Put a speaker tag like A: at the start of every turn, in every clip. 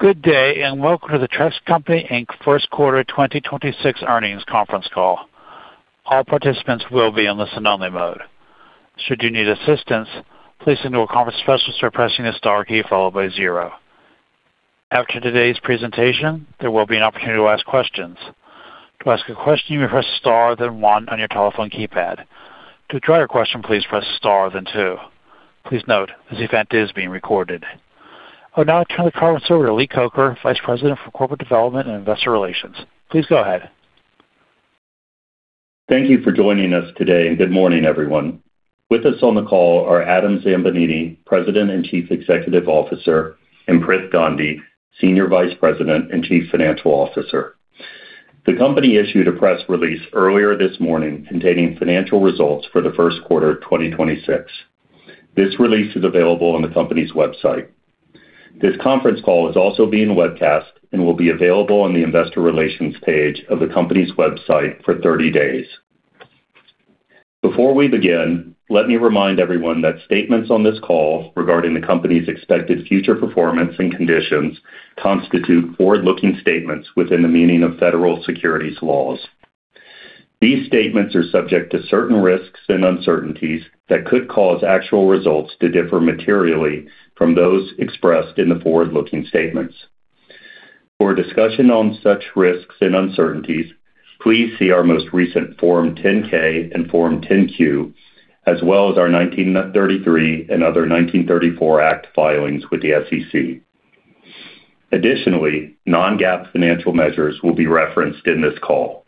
A: Good day and welcome to the Trex Company, Inc. First Quarter 2026 Earnings Conference Call. All participants will be in listen only mode. Should you need assistance, please signal a conference specialist by pressing the star key followed by zero. After today's presentation, there will be an opportunity to ask questions. To ask a question, you may press star then one on your telephone keypad. To withdraw your question, please press star then two. Please note, this event is being recorded. I will now turn the conference over to Lee Coker, Vice President for Corporate Development and Investor Relations. Please go ahead.
B: Thank you for joining us today and good morning everyone. With us on the call are Adam Zambanini, President and Chief Executive Officer, and Prith Gandhi, Senior Vice President and Chief Financial Officer. The company issued a press release earlier this morning containing financial results for the first quarter of 2026. This release is available on the company's website. This conference call is also being webcasted and will be available on the investor relations page of the company's website for 30 days. Before we begin, let me remind everyone that statements on this call regarding the company's expected future performance and conditions constitute forward-looking statements within the meaning of federal securities laws. These statements are subject to certain risks and uncertainties that could cause actual results to differ materially from those expressed in the forward-looking statements. For a discussion on such risks and uncertainties, please see our most recent Form 10-K and Form 10-Q, as well as our 1933 and other 1934 Act filings with the SEC. Additionally, non-GAAP financial measures will be referenced in this call.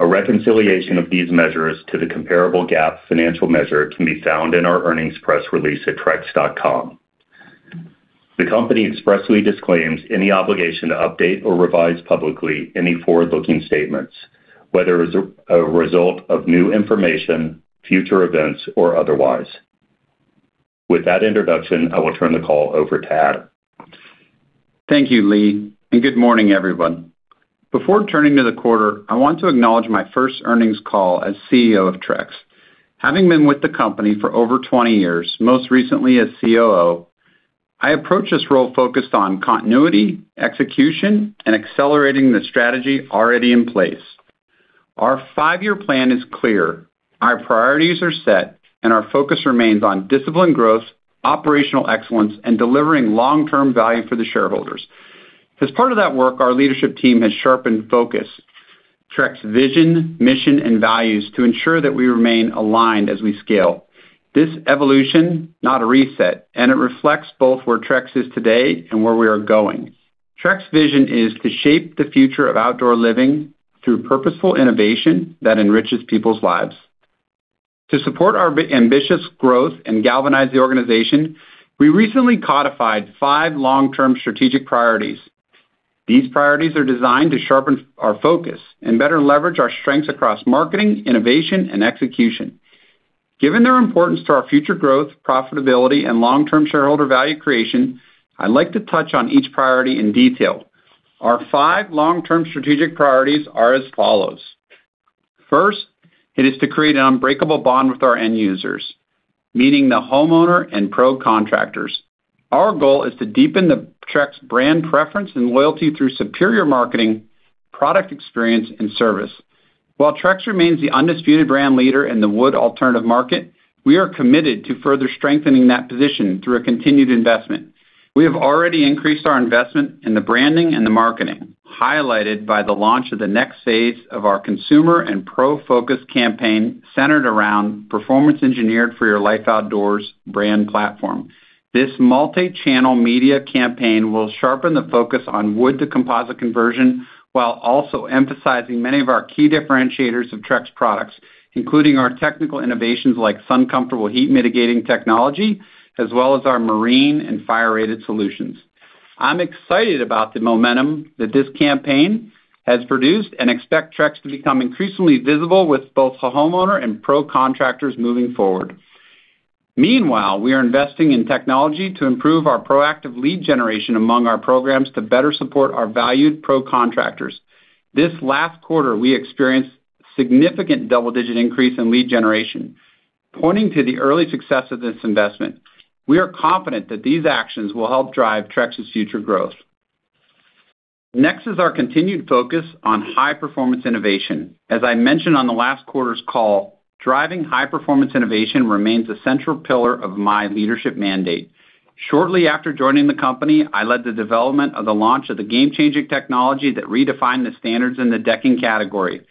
B: A reconciliation of these measures to the comparable GAAP financial measure can be found in our earnings press release at trex.com. The company expressly disclaims any obligation to update or revise publicly any forward-looking statements, whether as a result of new information, future events, or otherwise. With that introduction, I will turn the call over to Adam.
C: Thank you Lee, and good morning everyone. Before turning to the quarter, I want to acknowledge my first earnings call as CEO of Trex. Having been with the company for over 20 years, most recently as COO, I approach this role focused on continuity, execution, and accelerating the strategy already in place. Our five-year plan is clear. Our priorities are set, and our focus remains on disciplined growth, operational excellence, and delivering long-term value for the shareholders. As part of that work, our leadership team has sharpened focus, Trex vision, mission, and values to ensure that we remain aligned as we scale. This evolution, not a reset, and it reflects both where Trex is today and where we are going. Trex vision is to shape the future of outdoor living through purposeful innovation that enriches people's lives. To support our ambitious growth and galvanize the organization, we recently codified five long-term strategic priorities. These priorities are designed to sharpen our focus and better leverage our strengths across marketing, innovation, and execution. Given their importance to our future growth, profitability, and long-term shareholder value creation, I'd like to touch on each priority in detail. Our five long-term strategic priorities are as follows. First, it is to create an unbreakable bond with our end users, meeting the homeowner and pro contractors. Our goal is to deepen the Trex brand preference and loyalty through superior marketing, product experience, and service. While Trex remains the undisputed brand leader in the wood alternative market, we are committed to further strengthening that position through a continued investment. We have already increased our investment in the branding and the marketing, highlighted by the launch of the next phase of our consumer and pro-focused campaign centered around performance engineered for your life outdoors brand platform. This multi-channel media campaign will sharpen the focus on wood to composite conversion while also emphasizing many of our key differentiators of Trex products, including our technical innovations like sun-comfortable heat mitigating technology, as well as our marine and fire-rated solutions. I'm excited about the momentum that this campaign has produced and expect Trex to become increasingly visible with both the homeowner and pro contractors moving forward. Meanwhile, we are investing in technology to improve our proactive lead generation among our programs to better support our valued pro contractors. This last quarter, we experienced significant double-digit increase in lead generation. Pointing to the early success of this investment, we are confident that these actions will help drive Trex's future growth. Our continued focus on high-performance innovation. As I mentioned on the last quarter's call, driving high-performance innovation remains a central pillar of my leadership mandate. Shortly after joining the company, I led the development of the launch of the game-changing technology that redefined the standards in the decking category,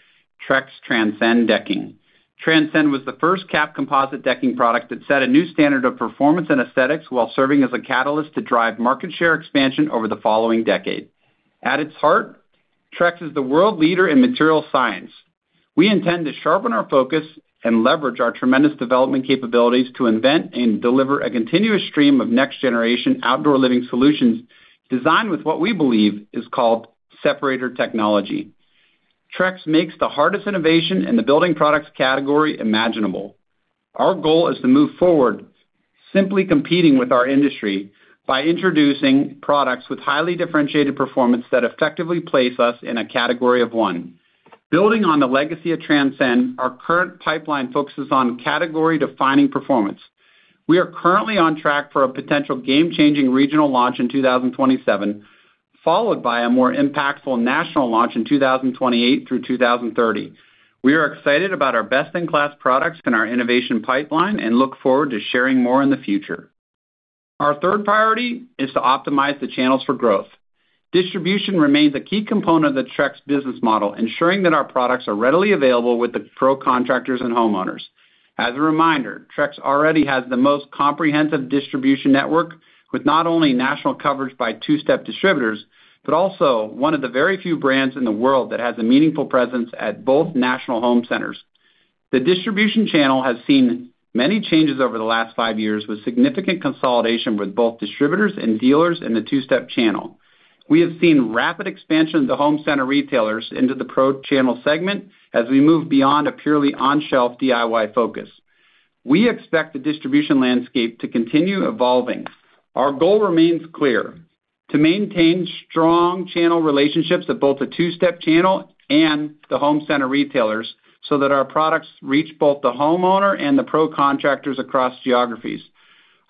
C: Trex Transcend Decking. Transcend was the first capped composite decking product that set a new standard of performance and aesthetics while serving as a catalyst to drive market share expansion over the following decade. At its heart, Trex is the world leader in material science. We intend to sharpen our focus and leverage our tremendous development capabilities to invent and deliver a continuous stream of next-generation outdoor living solutions designed with what we believe is called separator technology. Trex makes the hardest innovation in the building products category imaginable. Our goal is to move forward, simply competing with our industry by introducing products with highly differentiated performance that effectively place us in a category of one. Building on the legacy of Transcend, our current pipeline focuses on category-defining performance. We are currently on track for a potential game-changing regional launch in 2027, followed by a more impactful national launch in 2028 through 2030. We are excited about our best-in-class products and our innovation pipeline, and look forward to sharing more in the future. Our third priority is to optimize the channels for growth. Distribution remains a key component of the Trex business model, ensuring that our products are readily available with the pro contractors and homeowners. As a reminder, Trex already has the most comprehensive distribution network with not only national coverage by two-step distributors, but also one of the very few brands in the world that has a meaningful presence at both national home centers. The distribution channel has seen many changes over the last five years, with significant consolidation with both distributors and dealers in the two-step channel. We have seen rapid expansion of the home center retailers into the pro channel segment as we move beyond a purely on-shelf DIY focus. We expect the distribution landscape to continue evolving. Our goal remains clear: to maintain strong channel relationships at both the two-step channel and the home center retailers, so that our products reach both the homeowner and the pro contractors across geographies.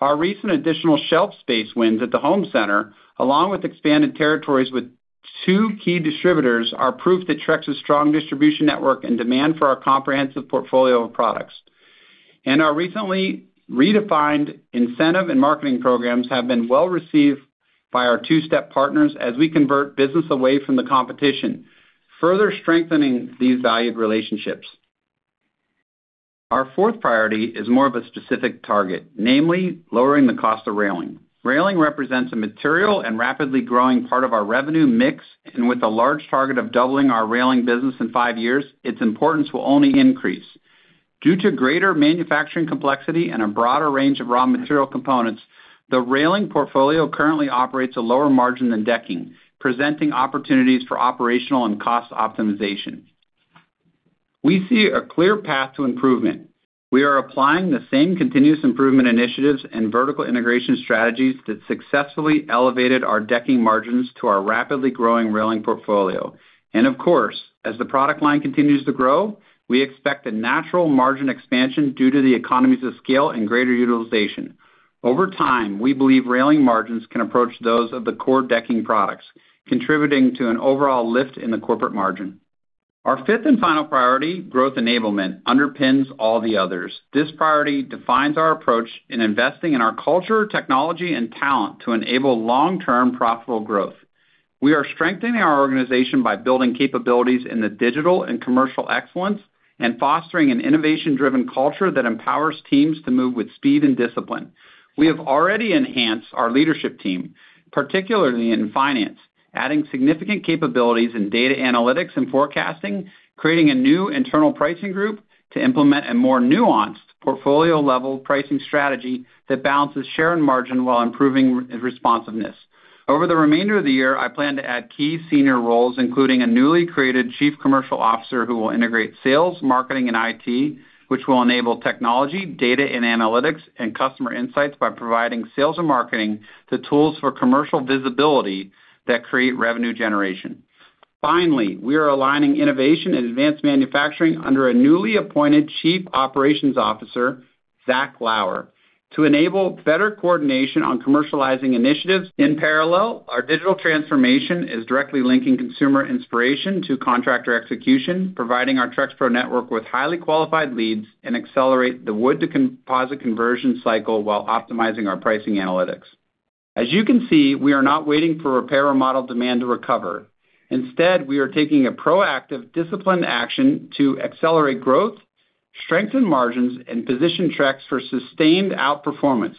C: Our recent additional shelf space wins at the home center, along with expanded territories with two key distributors are proof that Trex's strong distribution network and demand for our comprehensive portfolio of products. Our recently redefined incentive and marketing programs have been well-received by our two-step partners as we convert business away from the competition, further strengthening these valued relationships. Our fourth priority is more of a specific target, namely lowering the cost of railing. Railing represents a material and rapidly growing part of our revenue mix. With a large target of doubling our railing business in five years, its importance will only increase. Due to greater manufacturing complexity and a broader range of raw material components, the railing portfolio currently operates a lower margin than decking, presenting opportunities for operational and cost optimization. We see a clear path to improvement. We are applying the same continuous improvement initiatives and vertical integration strategies that successfully elevated our decking margins to our rapidly growing railing portfolio. Of course, as the product line continues to grow, we expect a natural margin expansion due to the economies of scale and greater utilization. Over time, we believe railing margins can approach those of the core decking products, contributing to an overall lift in the corporate margin. Our fifth and final priority, growth enablement, underpins all the others. This priority defines our approach in investing in our culture, technology, and talent to enable long-term profitable growth. We are strengthening our organization by building capabilities in the digital and commercial excellence, and fostering an innovation-driven culture that empowers teams to move with speed and discipline. We have already enhanced our leadership team, particularly in finance, adding significant capabilities in data analytics and forecasting, creating a new internal pricing group to implement a more nuanced portfolio-level pricing strategy that balances share and margin while improving responsiveness. Over the remainder of the year, I plan to add key senior roles, including a newly created Chief Commercial Officer who will integrate sales, marketing, and IT, which will enable technology, data and analytics, and customer insights by providing sales and marketing the tools for commercial visibility that create revenue generation. Finally, we are aligning innovation and advanced manufacturing under a newly appointed Chief Operations Officer, Zach Lauer, to enable better coordination on commercializing initiatives. In parallel, our digital transformation is directly linking consumer inspiration to contractor execution, providing our TrexPro network with highly qualified leads, and accelerate the wood-to-composite conversion cycle while optimizing our pricing analytics. As you can see, we are not waiting for repair or model demand to recover. Instead, we are taking a proactive, disciplined action to accelerate growth, strengthen margins, and position Trex for sustained outperformance.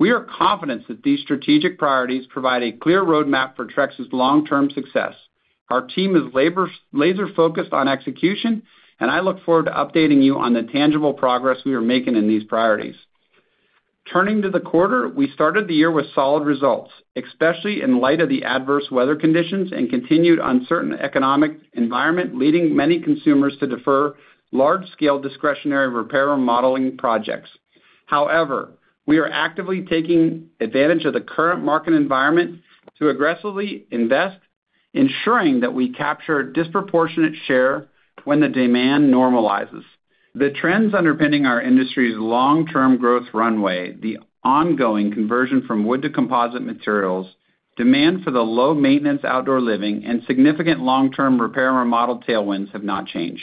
C: We are confident that these strategic priorities provide a clear roadmap for Trex's long-term success. Our team is laser-focused on execution, and I look forward to updating you on the tangible progress we are making in these priorities. Turning to the quarter, we started the year with solid results, especially in light of the adverse weather conditions and continued uncertain economic environment, leading many consumers to defer large-scale discretionary repair or modeling projects. However, we are actively taking advantage of the current market environment to aggressively invest, ensuring that we capture disproportionate share when the demand normalizes. The trends underpinning our industry's long-term growth runway, the ongoing conversion from wood to composite materials, demand for the low-maintenance outdoor living, and significant long-term repair or model tailwinds have not changed.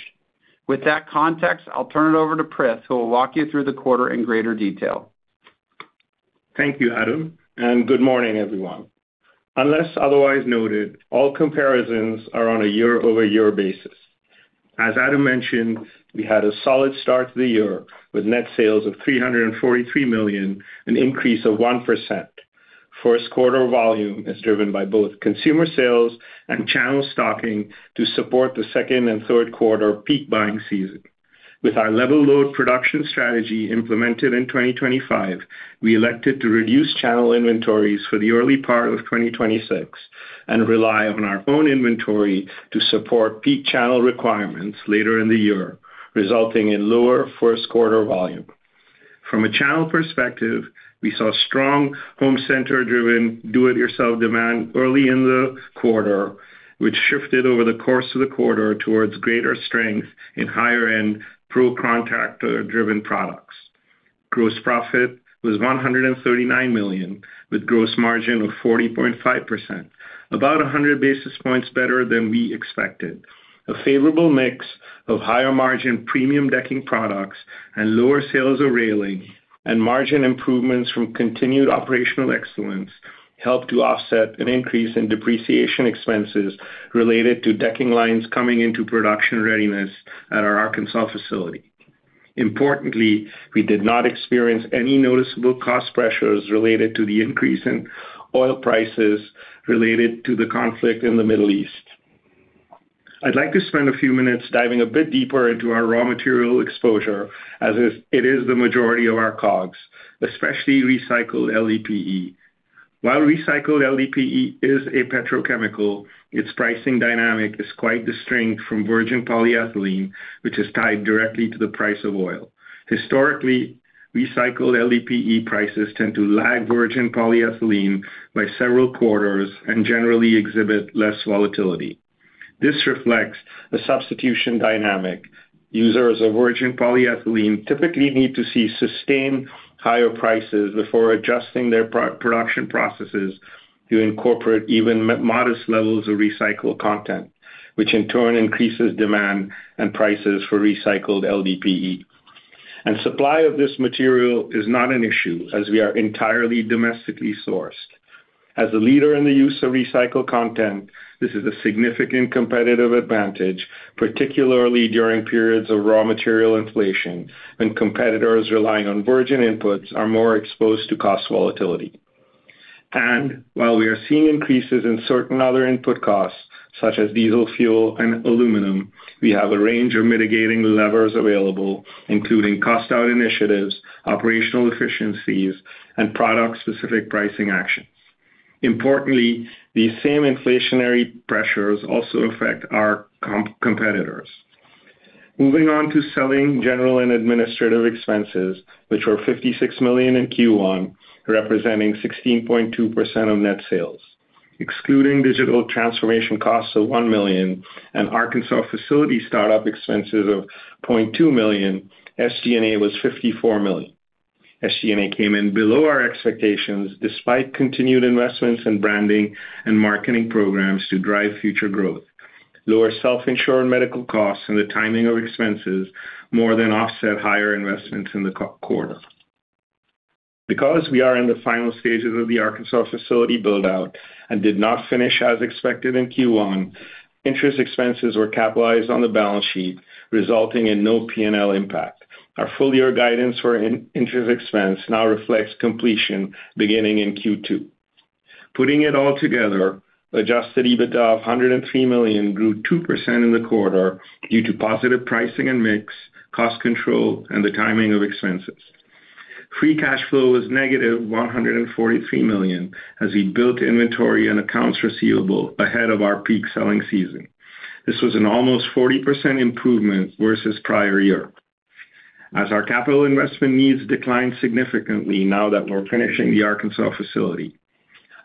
C: With that context, I'll turn it over to Prith, who will walk you through the quarter in greater detail.
D: Thank you, Adam, and good morning, everyone. Unless otherwise noted, all comparisons are on a year-over-year basis. As Adam mentioned, we had a solid start to the year with net sales of $343 million, an increase of 1%. First quarter volume is driven by both consumer sales and channel stocking to support the second and third quarter peak buying season. With our level load production strategy implemented in 2025, we elected to reduce channel inventories for the early part of 2026 and rely on our own inventory to support peak channel requirements later in the year, resulting in lower first quarter volume. From a channel perspective, we saw strong home center-driven do-it-yourself demand early in the quarter, which shifted over the course of the quarter towards greater strength in higher-end pro contractor-driven products. Gross profit was $139 million, with gross margin of 40.5%, about 100 basis points better than we expected. A favorable mix of higher margin premium decking products and lower sales of railing and margin improvements from continued operational excellence helped to offset an increase in depreciation expenses related to decking lines coming into production readiness at our Arkansas facility. Importantly, we did not experience any noticeable cost pressures related to the increase in oil prices related to the conflict in the Middle East. I'd like to spend a few minutes diving a bit deeper into our raw material exposure as it is the majority of our COGS, especially recycled LDPE. While recycled LDPE is a petrochemical, its pricing dynamic is quite distinct from virgin polyethylene, which is tied directly to the price of oil. Historically, recycled LDPE prices tend to lag virgin polyethylene by several quarters and generally exhibit less volatility. This reflects the substitution dynamic. Users of virgin polyethylene typically need to see sustained higher prices before adjusting their production processes to incorporate even modest levels of recycled content, which in turn increases demand and prices for recycled LDPE. Supply of this material is not an issue as we are entirely domestically sourced. As a leader in the use of recycled content, this is a significant competitive advantage, particularly during periods of raw material inflation, when competitors relying on virgin inputs are more exposed to cost volatility. While we are seeing increases in certain other input costs, such as diesel fuel and aluminum, we have a range of mitigating levers available, including cost out initiatives, operational efficiencies, and product-specific pricing actions. Importantly, these same inflationary pressures also affect our competitors. Moving on to selling, general, and administrative expenses, which were $56 million in Q1, representing 16.2% of net sales. Excluding digital transformation costs of $1 million and Arkansas facility startup expenses of $0.2 million, SG&A was $54 million. SG&A came in below our expectations despite continued investments in branding and marketing programs to drive future growth. Lower self-insured medical costs and the timing of expenses more than offset higher investments in the quarter. Because we are in the final stages of the Arkansas facility build-out and did not finish as expected in Q1, interest expenses were capitalized on the balance sheet, resulting in no P&L impact. Our full-year guidance for in-interest expense now reflects completion beginning in Q2. Putting it all together, adjusted EBITDA of $103 million grew 2% in the quarter due to positive pricing and mix, cost control, and the timing of expenses. Free cash flow was negative $143 million as we built inventory and accounts receivable ahead of our peak selling season. This was an almost 40% improvement versus prior year. As our capital investment needs decline significantly now that we're finishing the Arkansas facility,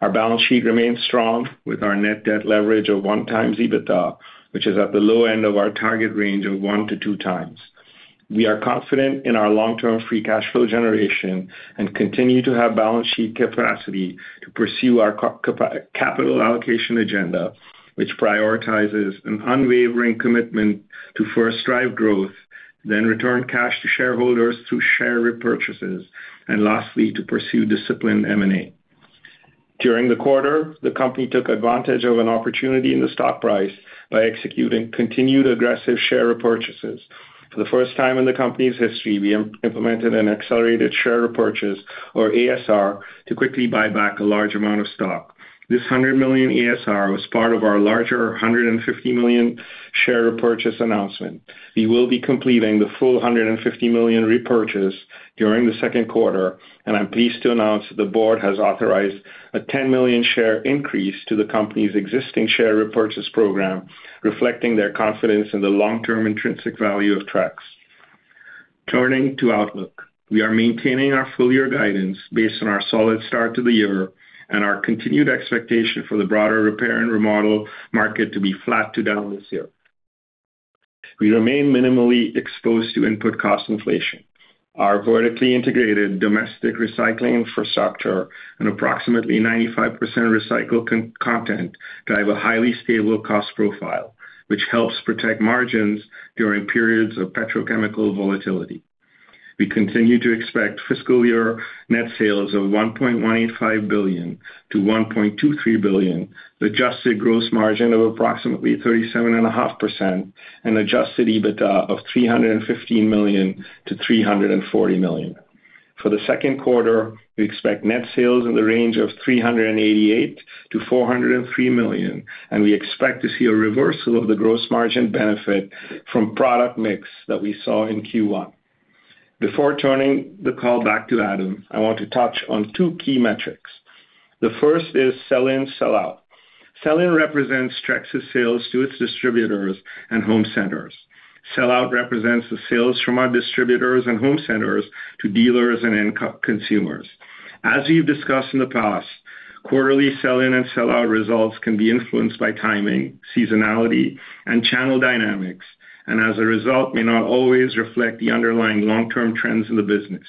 D: our balance sheet remains strong with our net debt leverage of 1 times EBITDA, which is at the low end of our target range of 1x-2x. We are confident in our long-term free cash flow generation and continue to have balance sheet capacity to pursue our capital allocation agenda, which prioritizes an unwavering commitment to first drive growth, then return cash to shareholders through share repurchases, and lastly, to pursue disciplined M&A. During the quarter, the company took advantage of an opportunity in the stock price by executing continued aggressive share repurchases. For the first time in the company's history, we implemented an accelerated share repurchase or ASR to quickly buy back a large amount of stock. This $100 million ASR was part of our larger $150 million share repurchase announcement. We will be completing the full $150 million repurchase during the second quarter. I'm pleased to announce that the board has authorized a 10 million share increase to the company's existing share repurchase program, reflecting their confidence in the long-term intrinsic value of Trex. Turning to outlook. We are maintaining our full-year guidance based on our solid start to the year and our continued expectation for the broader repair and remodel market to be flat to down this year. We remain minimally exposed to input cost inflation. Our vertically integrated domestic recycling infrastructure and approximately 95% recycled content drive a highly stable cost profile, which helps protect margins during periods of petrochemical volatility. We continue to expect fiscal year net sales of $1.185 billion-$1.23 billion, with adjusted gross margin of approximately 37.5% and adjusted EBITDA of $315 million-$340 million. For the second quarter, we expect net sales in the range of $388 million-$403 million, and we expect to see a reversal of the gross margin benefit from product mix that we saw in Q1. Before turning the call back to Adam, I want to touch on two key metrics. The first is sell-in, sell-out. Sell-in represents Trex's sales to its distributors and home centers. Sell-out represents the sales from our distributors and home centers to dealers and end co-consumers. As we've discussed in the past. Quarterly sell-in and sell-out results can be influenced by timing, seasonality, and channel dynamics, and as a result may not always reflect the underlying long-term trends in the business.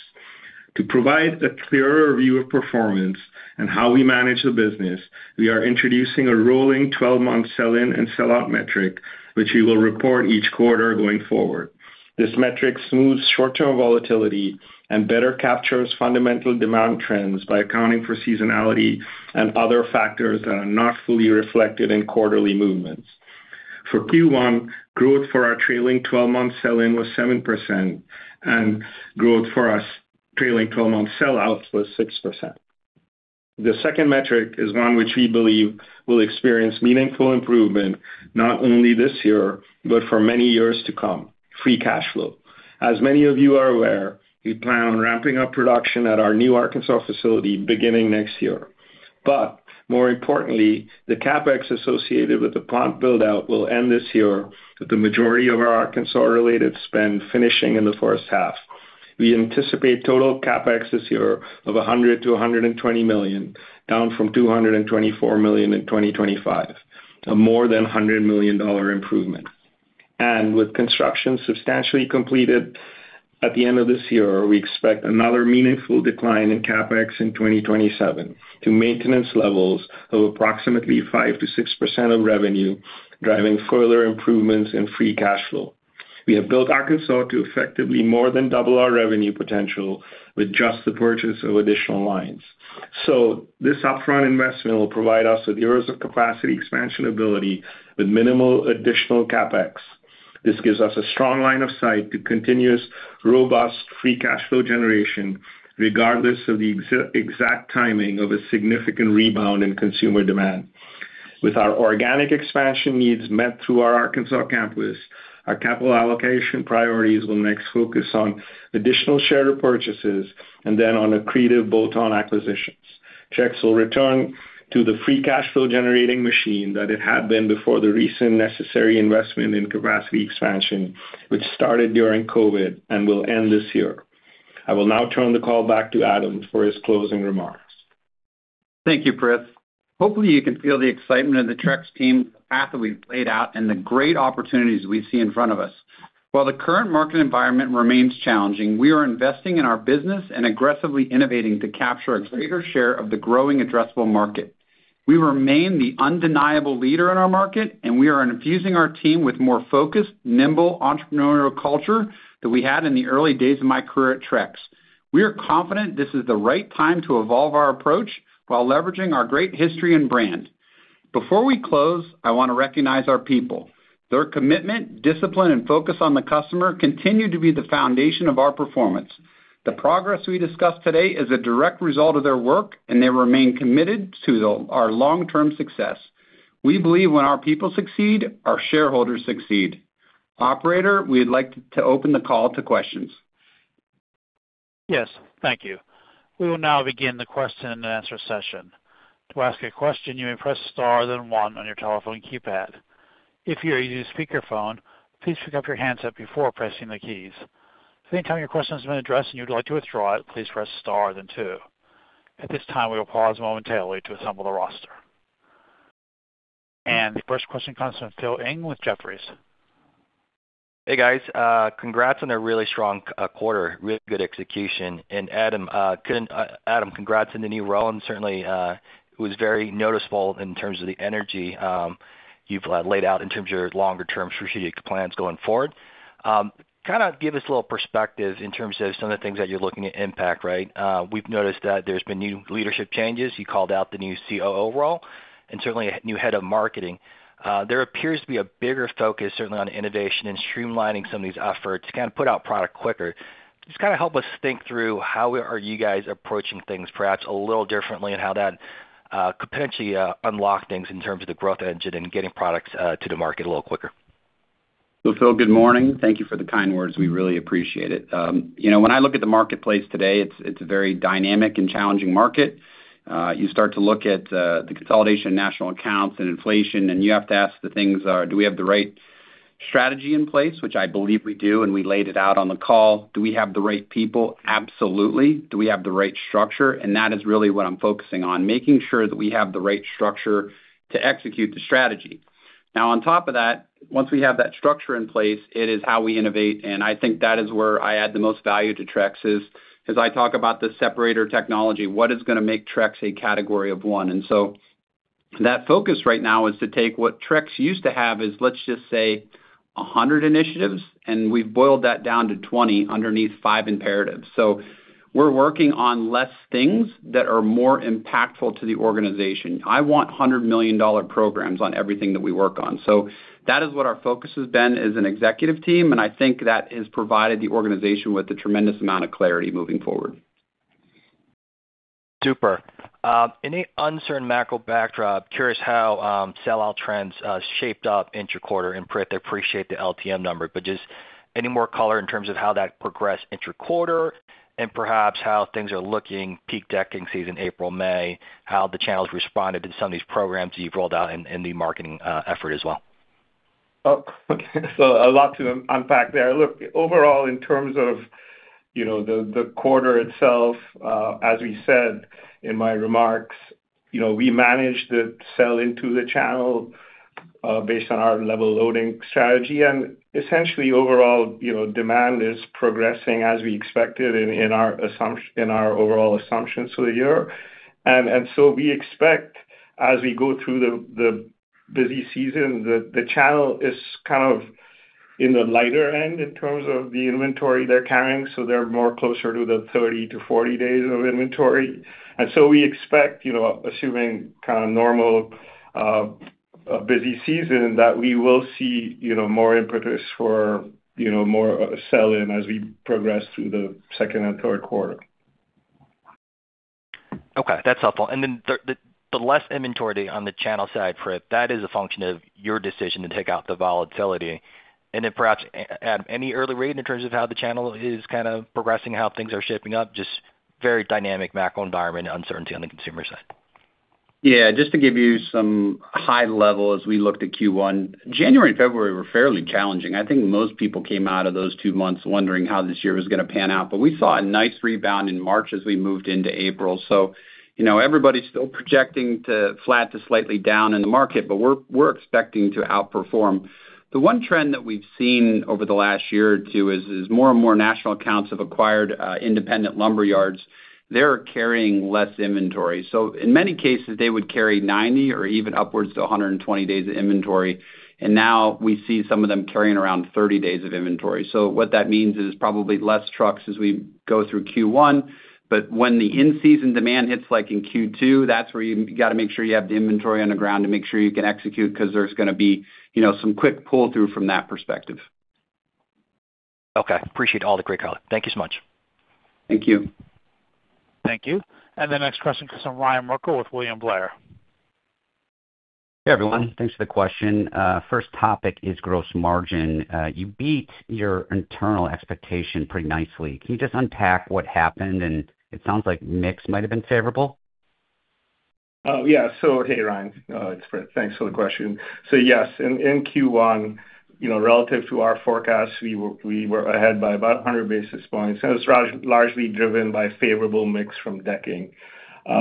D: To provide a clearer view of performance and how we manage the business, we are introducing a rolling 12-month sell-in and sell-out metric, which we will report each quarter going forward. This metric smooths short-term volatility and better captures fundamental demand trends by accounting for seasonality and other factors that are not fully reflected in quarterly movements. For Q1, growth for our trailing 12-month sell-in was 7%, and growth for our trailing 12-month sell-outs was 6%. The second metric is one which we believe will experience meaningful improvement not only this year, but for many years to come: free cash flow. As many of you are aware, we plan on ramping up production at our new Arkansas facility beginning next year. More importantly, the CapEx associated with the plant build-out will end this year, with the majority of our Arkansas-related spend finishing in the first half. We anticipate total CapEx this year of $100 million-$120 million, down from $224 million in 2025, a more than $100 million improvement. With construction substantially completed at the end of this year, we expect another meaningful decline in CapEx in 2027 to maintenance levels of approximately 5%-6% of revenue, driving further improvements in free cash flow. We have built Arkansas to effectively more than double our revenue potential with just the purchase of additional lines. This upfront investment will provide us with years of capacity expansion ability with minimal additional CapEx. This gives us a strong line of sight to continuous, robust free cash flow generation, regardless of the exact timing of a significant rebound in consumer demand. With our organic expansion needs met through our Arkansas campus, our capital allocation priorities will next focus on additional share purchases and then on accretive bolt-on acquisitions. Trex will return to the free cash flow-generating machine that it had been before the recent necessary investment in capacity expansion, which started during COVID and will end this year. I will now turn the call back to Adam for his closing remarks.
C: Thank you, Prith. Hopefully, you can feel the excitement of the Trex team, the path that we've laid out, and the great opportunities we see in front of us. While the current market environment remains challenging, we are investing in our business and aggressively innovating to capture a greater share of the growing addressable market. We remain the undeniable leader in our market, and we are infusing our team with more focused, nimble entrepreneurial culture that we had in the early days of my career at Trex. We are confident this is the right time to evolve our approach while leveraging our great history and brand. Before we close, I wanna recognize our people. Their commitment, discipline, and focus on the customer continue to be the foundation of our performance. The progress we discussed today is a direct result of their work, and they remain committed to our long-term success. We believe when our people succeed, our shareholders succeed. Operator, we'd like to open the call to questions.
A: Yes. Thank you. We will now begin the question and answer session. To ask a question, you may press star then one on your telephone keypad. If you're using a speakerphone, please pick up your handset before pressing the keys. If any time your question has been addressed and you'd like to withdraw it, please press star then two. At this time, we will pause momentarily to assemble the roster. The first question comes from Philip Ng with Jefferies.
E: Hey, guys. Congrats on a really strong quarter. Really good execution. Adam Zambanini, congrats on the new role, and certainly, it was very noticeable in terms of the energy you've laid out in terms of your longer-term strategic plans going forward. Kinda give us a little perspective in terms of some of the things that you're looking to impact, right? We've noticed that there's been new leadership changes. You called out the new COO role and certainly a new head of marketing. There appears to be a bigger focus certainly on innovation and streamlining some of these efforts to kind of put out product quicker. Just kinda help us think through how are you guys approaching things perhaps a little differently and how that could potentially unlock things in terms of the growth engine and getting products to the market a little quicker.
C: Phil, good morning. Thank you for the kind words. We really appreciate it. You know, when I look at the marketplace today, it's a very dynamic and challenging market. You start to look at the consolidation of national accounts and inflation, and you have to ask the things, do we have the right strategy in place? Which I believe we do, and we laid it out on the call. Do we have the right people? Absolutely. Do we have the right structure? That is really what I'm focusing on, making sure that we have the right structure to execute the strategy. On top of that, once we have that structure in place, it is how we innovate and I think that is where I add the most value to Trex, is as I talk about the separator technology, what is gonna make Trex a category of one? That focus right now is to take what Trex used to have as, let's just say, 100 initiatives, and we've boiled that down to 20 underneath five imperatives. We're working on less things that are more impactful to the organization. I want $100 million programs on everything that we work on. That is what our focus has been as an executive team and I think that has provided the organization with a tremendous amount of clarity moving forward.
E: Super. In an uncertain macro backdrop, curious how sell-out trends shaped up interquarter. Prith, I appreciate the LTM number but just any more color in terms of how that progressed interquarter and perhaps how things are looking peak decking season, April, May, how the channel's responded to some of these programs you've rolled out and the marketing effort as well.
D: Oh, okay. A lot to unpack there. Look, overall, in terms of, you know, the quarter itself, as we said in my remarks, you know, we managed to sell into the channel based on our level loading strategy. Essentially, overall, you know, demand is progressing as we expected in our overall assumptions for the year. We expect as we go through the busy season, the channel is kind of in the lighter end in terms of the inventory they're carrying, so they're more closer to the 30-40 days of inventory. We expect, you know, assuming kind of normal busy season, that we will see, you know, more impetus for, you know, more sell in as we progress through the second and third quarter.
E: Okay, that's helpful. The less inventory on the channel side Prith, that is a function of your decision to take out the volatility. Perhaps, at any early read in terms of how the channel is kind of progressing, how things are shaping up, just very dynamic macro environment uncertainty on the consumer side.
C: Yeah. Just to give you some high level as we looked at Q1, January and February were fairly challenging. I think most people came out of those two months wondering how this year was gonna pan out. We saw a nice rebound in March as we moved into April. You know, everybody's still projecting to flat to slightly down in the market but we're expecting to outperform. The one trend that we've seen over the last year or two is more and more national accounts have acquired independent lumber yards. They're carrying less inventory. In many cases, they would carry 90 or even upwards to 120 days of inventory. Now we see some of them carrying around 30 days of inventory. What that means is probably less trucks as we go through Q1. When the in-season demand hits, like in Q2, that's where you gotta make sure you have the inventory on the ground to make sure you can execute 'cause there's gonna be, you know, some quick pull-through from that perspective.
E: Okay. Appreciate all the great color. Thank you so much.
D: Thank you.
A: Thank you. The next question comes from Ryan Merkel with William Blair.
F: Hey, everyone. Thanks for the question. First topic is gross margin. You beat your internal expectation pretty nicely. Can you just unpack what happened? It sounds like mix might have been favorable.
D: Yeah. Hey, Ryan. It's Prith. Thanks for the question. Yes, in Q1, you know, relative to our forecast, we were ahead by about 100 basis points, and it was largely driven by favorable mix from decking. You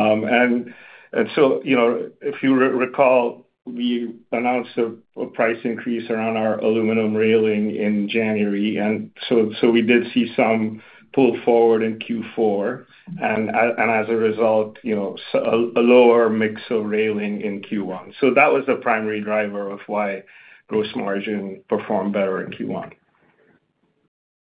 D: know, if you recall, we announced a price increase around our aluminum railing in January, we did see some pull forward in Q4. As a result, you know, a lower mix of railing in Q1. That was the primary driver of why gross margin performed better in Q1.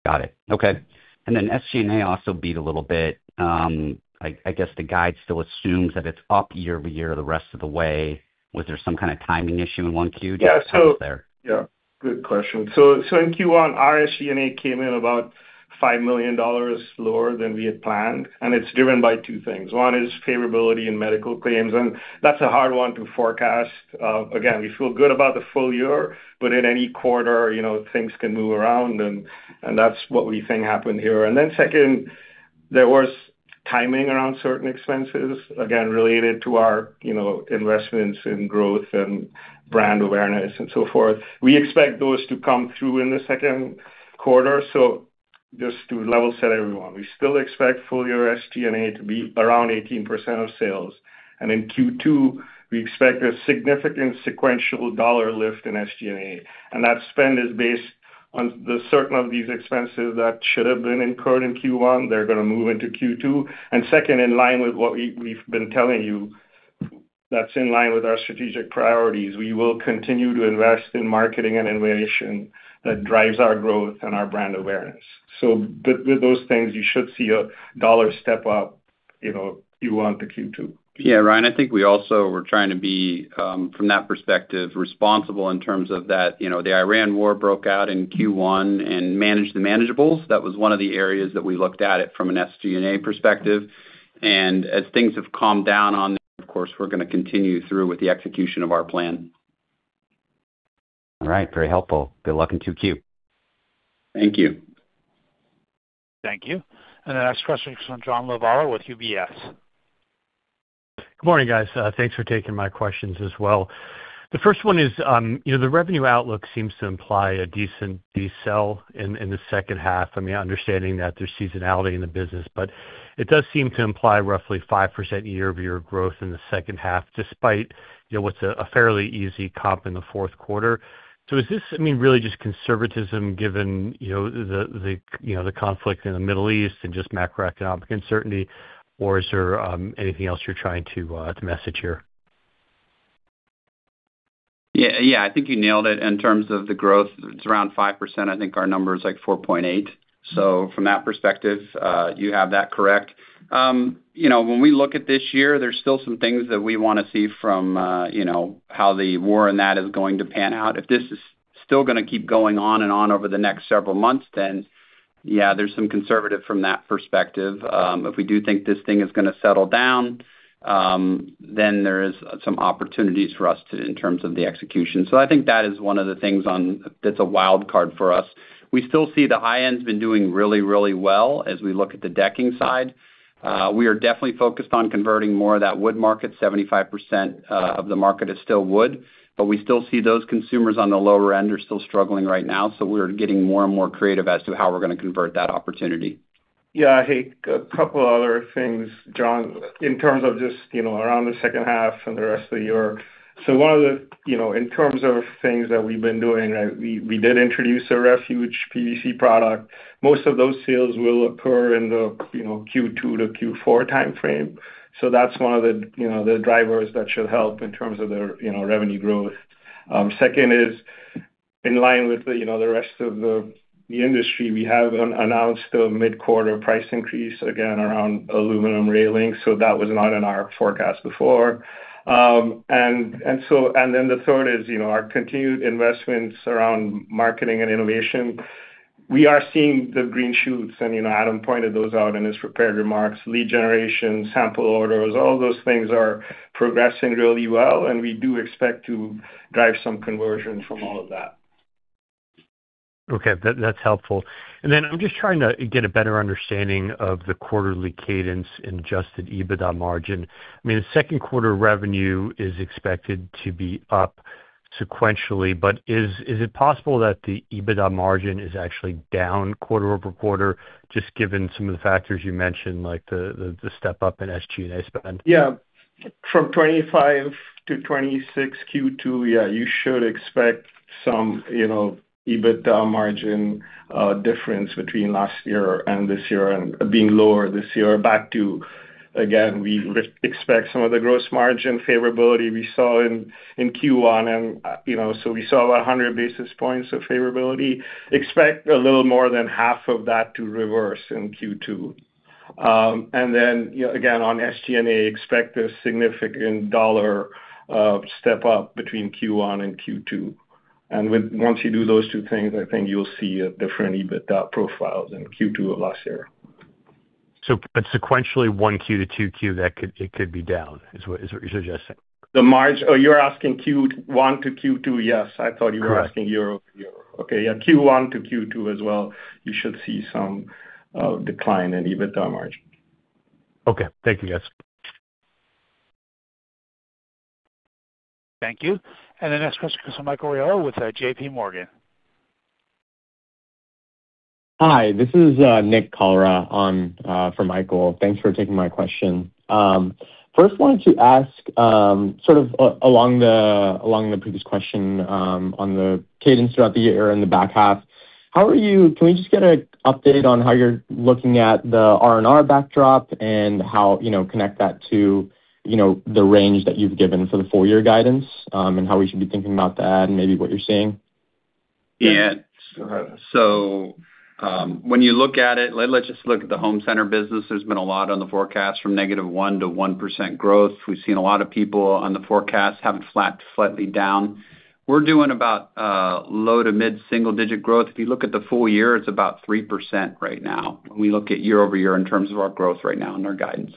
F: Got it. Okay. SG&A also beat a little bit. I guess the guide still assumes that it's up year-over-year the rest of the way. Was there some kind of timing issue in 1Q?
D: Yeah, so-
F: Just curious there.
D: Yeah, good question. In Q1, our SG&A came in about $5 million lower than we had planned and it's driven by two things. One is favorability in medical claims, and that's a hard one to forecast. Again, we feel good about the full year but in any quarter, you know, things can move around and that's what we think happened here. Second, there was timing around certain expenses, again, related to our, you know, investments in growth and brand awareness and so forth. We expect those to come through in the second quarter. Just to level set everyone, we still expect full year SG&A to be around 18% of sales. In Q2, we expect a significant sequential dollar lift in SG&A. That spend is based on the certain of these expenses that should have been incurred in Q1. They're gonna move into Q2. Second, in line with what we've been telling you, that's in line with our strategic priorities. We will continue to invest in marketing and innovation that drives our growth and our brand awareness. With, with those things, you should see a dollar step up, you know, Q1 to Q2.
C: Yeah, Ryan, I think we also were trying to be, from that perspective, responsible in terms of that, you know, the Iran war broke out in Q1 and manage the manageables. That was one of the areas that we looked at it from an SG&A perspective. As things have calmed down on there, of course, we're gonna continue through with the execution of our plan.
F: All right. Very helpful. Good luck in 2Q.
C: Thank you.
A: Thank you. The next question comes from John Lovallo with UBS.
G: Good morning, guys. Thanks for taking my questions as well. The first one is, you know, the revenue outlook seems to imply a decent de-sell in the second half. I mean, understanding that there's seasonality in the business, it does seem to imply roughly 5% year-over-year growth in the second half, despite, you know, what's a fairly easy comp in the fourth quarter. Is this, I mean, really just conservatism given, you know, the, you know, the conflict in the Middle East and just macroeconomic uncertainty, or is there anything else you're trying to message here?
C: Yeah, yeah, I think you nailed it. In terms of the growth, it's around 4%. I think our number is, like, 4.8%. From that perspective, you have that correct. You know, when we look at this year, there's still some things that we wanna see from, you know, how the war and that is going to pan out. If this is still gonna keep going on and on over the next several months, then yeah, there's some conservative from that perspective. If we do think this thing is gonna settle down, then there is some opportunities for us in terms of the execution. I think that is one of the things that's a wild card for us. We still see the high end's been doing really well as we look at the decking side. We are definitely focused on converting more of that wood market. 75% of the market is still wood, but we still see those consumers on the lower end are still struggling right now, so we're getting more and more creative as to how we're gonna convert that opportunity.
D: Yeah. Hey, a couple other things, John, in terms of just, you know, around the second half and the rest of the year. One of the, you know, in terms of things that we've been doing, we did introduce a Refuge PVC product. Most of those sales will occur in the, you know, Q2-Q4 timeframe. That's one of the, you know, the drivers that should help in terms of their, you know, revenue growth. Second is in line with the, you know, the rest of the industry. We have announced a mid-quarter price increase, again, around aluminum railing, so that was not in our forecast before. The third is, you know, our continued investments around marketing and innovation. We are seeing the green shoots, and, you know, Adam pointed those out in his prepared remarks. Lead generation, sample orders, all those things are progressing really well, and we do expect to drive some conversion from all of that.
G: Okay. That's helpful. I'm just trying to get a better understanding of the quarterly cadence in adjusted EBITDA margin. I mean, the second quarter revenue is expected to be up sequentially but is it possible that the EBITDA margin is actually down quarter-over-quarter, just given some of the factors you mentioned, like the step up in SG&A spend?
D: From 2025 to 2026 Q2, you should expect some, you know, EBITDA margin difference between last year and this year and being lower this year back to, again, we expect some of the gross margin favorability we saw in Q1. You know, we saw 100 basis points of favorability. Expect a little more than half of that to reverse in Q2. You know, again, on SG&A, expect a significant dollar step-up between Q1 and Q2. Once you do those two things, I think you'll see a different EBITDA profiles in Q2 of last year.
G: sequentially 1Q to 2Q, it could be down, is what you're suggesting?
D: The margin, you're asking Q1 to Q2? Yes.
G: Correct.
D: -you were asking year-over-year. Okay. Yeah, Q1 to Q2 as well, you should see some decline in EBITDA margin.
G: Okay. Thank you, guys.
A: Thank you. The next question comes from Michael Rehaut with JPMorgan.
H: Hi, this is Nick Kalra on for Michael. Thanks for taking my question. First wanted to ask sort of along the, along the previous question on the cadence throughout the year in the back half. Can we just get a update on how you're looking at the R&R backdrop and how connect that to the range that you've given for the full year guidance, and how we should be thinking about that and maybe what you're seeing?
C: When you look at it, let's just look at the home center business. There's been a lot on the forecast from negative 1% to 1% growth. We've seen a lot of people on the forecast have it flat to slightly down. We're doing about low to mid single digit growth. If you look at the full year, it's about 3% right now when we look at year-over-year in terms of our growth right now and our guidance.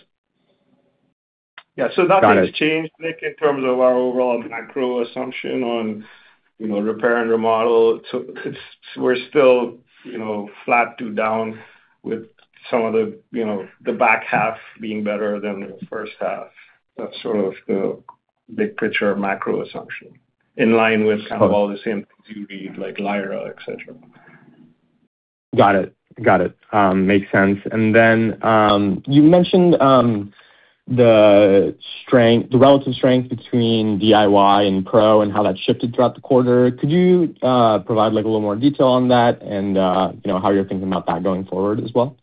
D: Yeah.
H: Got it.
D: has changed, Nick, in terms of our overall macro assumption on, you know, repair and remodel. We're still, you know, flat to down with some of the, you know, the back half being better than the first half. That's sort of the big picture macro assumption, in line with kind of all the same you read, like LIRA, et cetera.
H: Got it. Got it. makes sense. You mentioned, the relative strength between DIY and Pro and how that shifted throughout the quarter. Could you provide, like, a little more detail on that and, you know, how you're thinking about that going forward as well?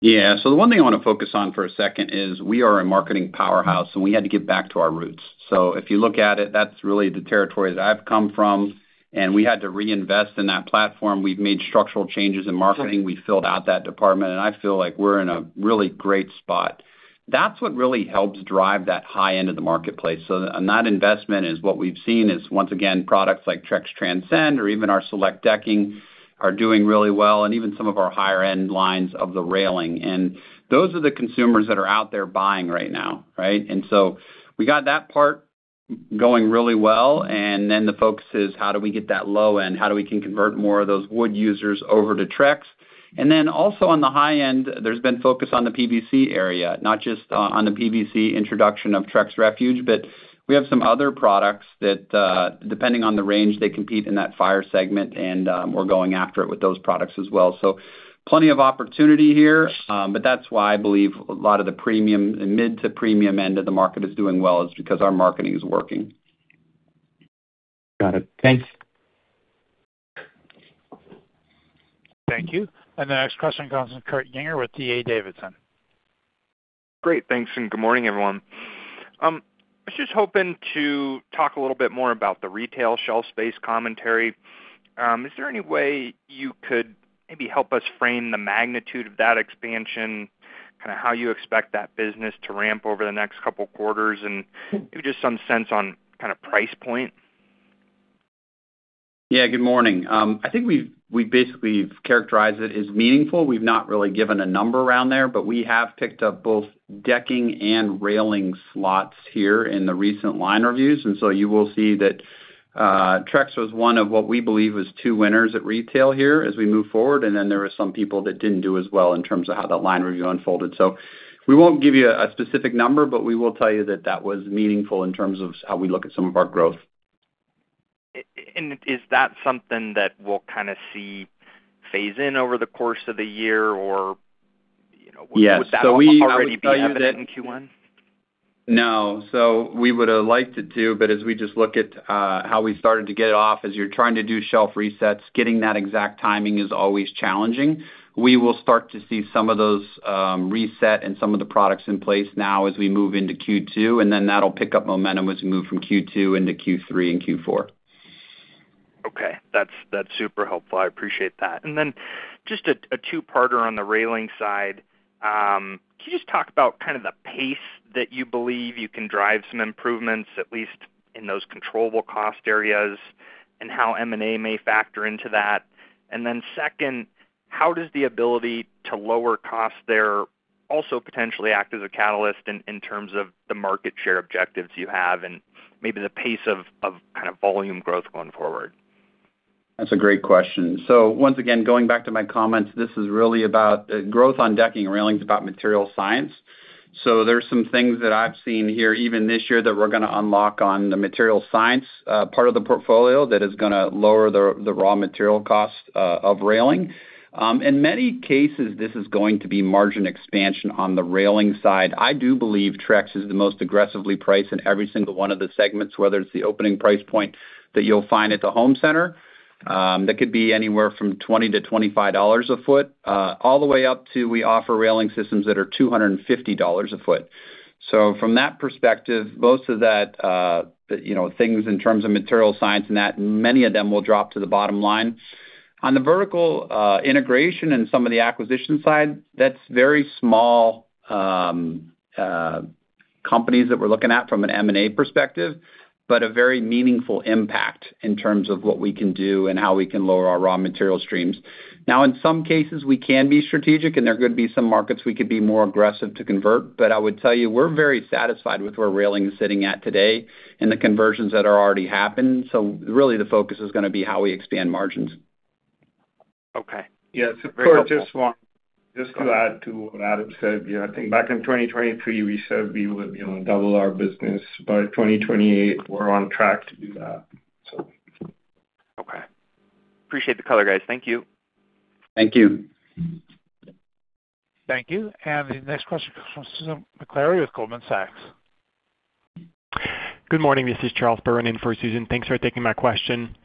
C: Yeah. The one thing I wanna focus on for a second is we are a marketing powerhouse and we had to get back to our roots. If you look at it, that's really the territory that I've come from, and we had to reinvest in that platform. We've made structural changes in marketing. We filled out that department, and I feel like we're in a really great spot. That's what really helps drive that high end of the marketplace. That investment is what we've seen is, once again, products like Trex Transcend or even our Select Decking are doing really well and even some of our higher end lines of the railing. Those are the consumers that are out there buying right now, right? We got that part going really well, and then the focus is how do we get that low end? How do we can convert more of those wood users over to Trex? Then also on the high end, there's been focus on the PVC area, not just on the PVC introduction of Trex Refuge, but we have some other products that, depending on the range, they compete in that fire segment, and we're going after it with those products as well. Plenty of opportunity here, but that's why I believe a lot of the premium and mid to premium end of the market is doing well is because our marketing is working.
H: Got it. Thanks.
A: Thank you. The next question comes from Kurt Yinger with D.A. Davidson.
I: Great. Thanks and good morning, everyone. I was just hoping to talk a little bit more about the retail shelf space commentary. Is there any way you could maybe help us frame the magnitude of that expansion, kinda how you expect that business to ramp over the next couple quarters, and maybe just some sense on kinda price point?
C: Yeah. Good morning. I think we basically have characterized it as meaningful. We've not really given a number around there, but we have picked up both decking and railing slots here in the recent line reviews. You will see that Trex was one of what we believe was two winners at retail here as we move forward. There were some people that didn't do as well in terms of how that line review unfolded. We won't give you a specific number, but we will tell you that that was meaningful in terms of how we look at some of our growth.
I: Is that something that we'll kind of see phase in over the course of the year?
C: Yes.
I: Would that already be evident in Q1?
C: We would have liked it to, but as we just look at how we started to get off, as you're trying to do shelf resets, getting that exact timing is always challenging. We will start to see some of those reset and some of the products in place now as we move into Q2, that'll pick up momentum as we move from Q2 into Q3 and Q4.
I: Okay. That's super helpful. I appreciate that. just a two-parter on the railing side. Can you just talk about kind of the pace that you believe you can drive some improvements, at least in those controllable cost areas, and how M&A may factor into that? Second, how does the ability to lower costs there also potentially act as a catalyst in terms of the market share objectives you have and maybe the pace of kind of volume growth going forward?
C: That's a great question. Once again, going back to my comments, this is really about growth on decking and railing is about material science. There's some things that I've seen here even this year that we're gonna unlock on the material science part of the portfolio that is gonna lower the raw material cost of railing. In many cases, this is going to be margin expansion on the railing side. I do believe Trex is the most aggressively priced in every single one of the segments, whether it's the opening price point that you'll find at the home center, that could be anywhere from $20-$25 a foot, all the way up to we offer railing systems that are $250 a foot. From that perspective, most of that, you know, things in terms of material science and that, many of them will drop to the bottom line. On the vertical integration and some of the acquisition side, that's very small companies that we're looking at from an M&A perspective, but a very meaningful impact in terms of what we can do and how we can lower our raw material streams. In some cases, we can be strategic, and there could be some markets we could be more aggressive to convert. I would tell you, we're very satisfied with where railing is sitting at today and the conversions that are already happened. Really the focus is gonna be how we expand margins.
I: Okay.
D: Yeah. Kurt, just one.
C: Go ahead.
D: Just to add to what Adam said. Yeah, I think back in 2023, we said we would, you know, double our business by 2028. We're on track to do that.
I: Okay. Appreciate the color, guys. Thank you.
C: Thank you.
A: Thank you. The next question comes from Susan Maklari with Goldman Sachs.
J: Good morning, this is Charles Perron in for Susan. Thanks for taking my question.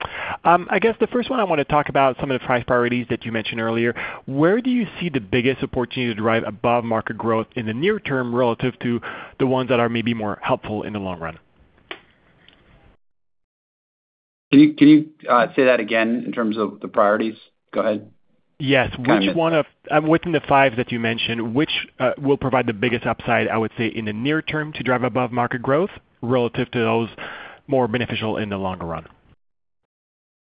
J: I guess the first one, I wanna talk about some of the price priorities that you mentioned earlier. Where do you see the biggest opportunity to drive above-market growth in the near term relative to the ones that are maybe more helpful in the long run?
C: Can you say that again in terms of the priorities? Go ahead.
J: Yes. Within the five that you mentioned, which will provide the biggest upside, I would say, in the near term to drive above-market growth relative to those more beneficial in the longer run?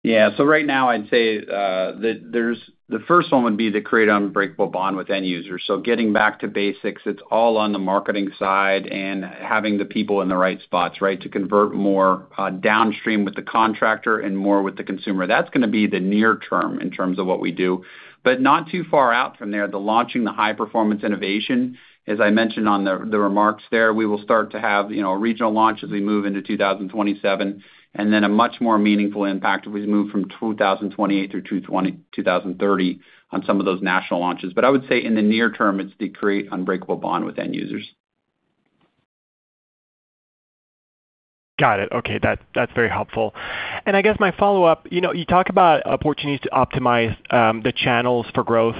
C: Yeah. Right now I'd say the first one would be to create unbreakable bond with end users. Getting back to basics, it's all on the marketing side and having the people in the right spots, right? To convert more downstream with the contractor and more with the consumer. That's gonna be the near term in terms of what we do. Not too far out from there, the launching the high-performance innovation, as I mentioned on the remarks there, we will start to have, you know, regional launch as we move into 2027, and then a much more meaningful impact as we move from 2028 through 2030 on some of those national launches. I would say in the near term, it's to create unbreakable bond with end users.
J: Got it. Okay. That's very helpful. I guess my follow-up, you know, you talk about opportunities to optimize the channels for growth.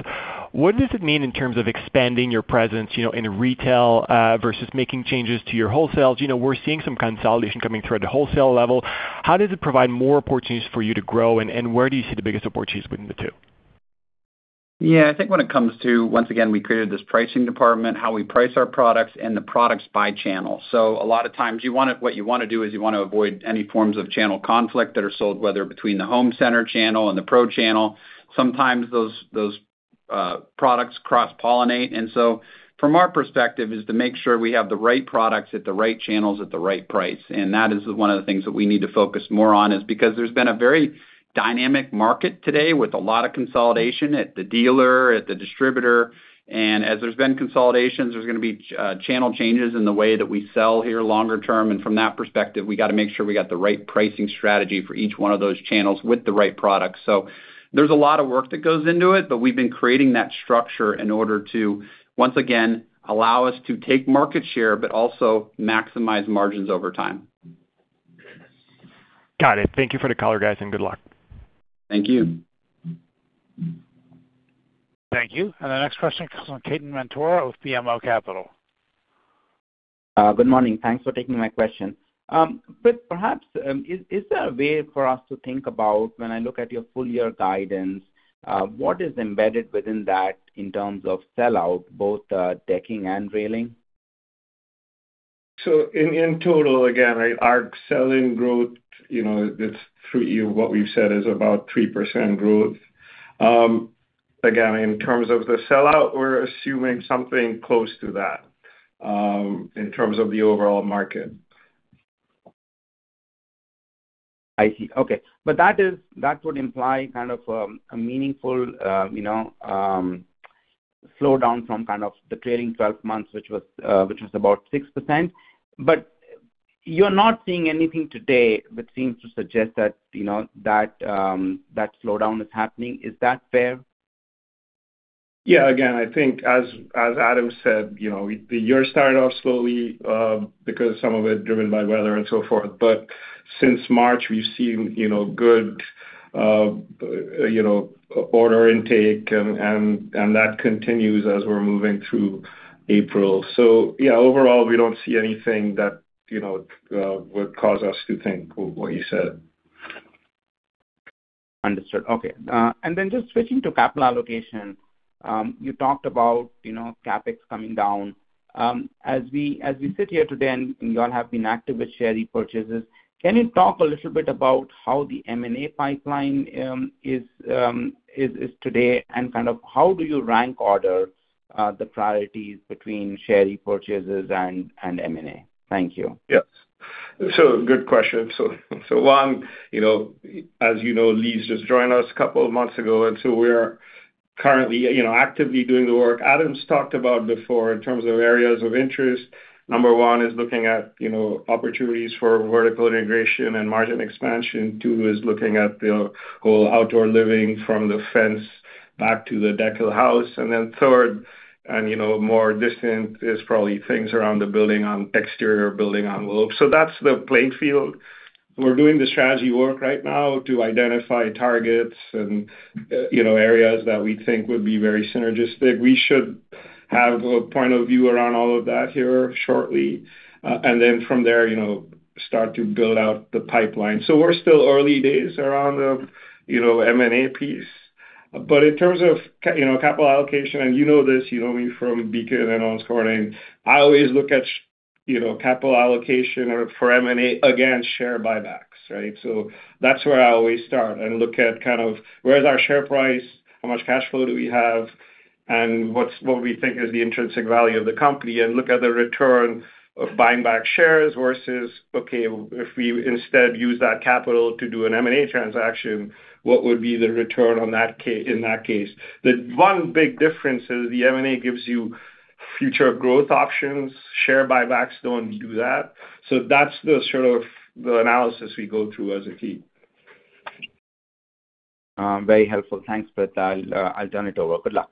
J: What does it mean in terms of expanding your presence, you know, in retail versus making changes to your wholesale? You know, we're seeing some consolidation coming through at the wholesale level. How does it provide more opportunities for you to grow, and where do you see the biggest opportunities between the two?
C: Yeah. I think when it comes to, once again, we created this pricing department, how we price our products and the products by channel. A lot of times what you wanna do is you want to avoid any forms of channel conflict that are sold, whether between the home center channel and the pro channel. Sometimes those products cross-pollinate. From our perspective is to make sure we have the right products at the right channels at the right price. That is one of the things that we need to focus more on is because there's been a very dynamic market today with a lot of consolidation at the dealer, at the distributor, and as there's been consolidations, there's gonna be channel changes in the way that we sell here longer term. From that perspective, we gotta make sure we got the right pricing strategy for each one of those channels with the right products. There's a lot of work that goes into it, but we've been creating that structure in order to, once again, allow us to take market share but also maximize margins over time.
J: Got it. Thank you for the color guys and good luck.
C: Thank you.
A: Thank you. The next question comes from Ketan Mamtora with BMO Capital.
K: Good morning. Thanks for taking my question. Perhaps, is there a way for us to think about when I look at your full year guidance, what is embedded within that in terms of sell-out, both, decking and railing?
D: In total, again, our selling growth, you know, it's through you, what we've said is about 3% growth. Again, in terms of the sell-out, we're assuming something close to that, in terms of the overall market.
K: I see. Okay. That would imply kind of a meaningful, you know, slow down from kind of the trailing 12 months, which was about 6%. You're not seeing anything today which seems to suggest that, you know, that slowdown is happening. Is that fair?
D: Again, I think as Adam said, you know, the year started off slowly, because some of it driven by weather and so forth. Since March, we've seen, you know, good, you know, order intake and that continues as we're moving through April. Overall, we don't see anything that, you know, would cause us to think what you said.
K: Understood. Okay. Just switching to capital allocation. You talked about, you know, CapEx coming down. As we sit here today and you all have been active with share repurchases, can you talk a little bit about how the M&A pipeline, is today, and kind of how do you rank order, the priorities between share repurchases and M&A? Thank you.
D: Yes. Good question. One, you know, as you know, Lee's just joined us a couple of months ago, and we're currently, you know, actively doing the work. Adam's talked about before in terms of areas of interest. Number one is looking at, you know, opportunities for vertical integration and margin expansion. Two is looking at the whole outdoor living from the fence back to the deck of the house. Then third, and you know, more distant is probably things around the building on exterior building envelope. That's the playing field. We're doing the strategy work right now to identify targets and, you know, areas that we think would be very synergistic. We should have a point of view around all of that here shortly, and then from there, you know, start to build out the pipeline. We're still early days around the, you know, M&A piece. In terms of, you know, capital allocation, and you know this, you know me from Beacon and Owens Corning. I always look at, you know, capital allocation or for M&A against share buybacks, right. That's where I always start and look at kind of where's our share price, how much cash flow do we have, and what we think is the intrinsic value of the company, and look at the return of buying back shares versus, okay, if we instead use that capital to do an M&A transaction, what would be the return on that in that case? The one big difference is the M&A gives you future growth options. Share buybacks don't do that. That's the sort of the analysis we go through as a team.
K: Very helpful. Thanks. With that, I'll turn it over. Good luck.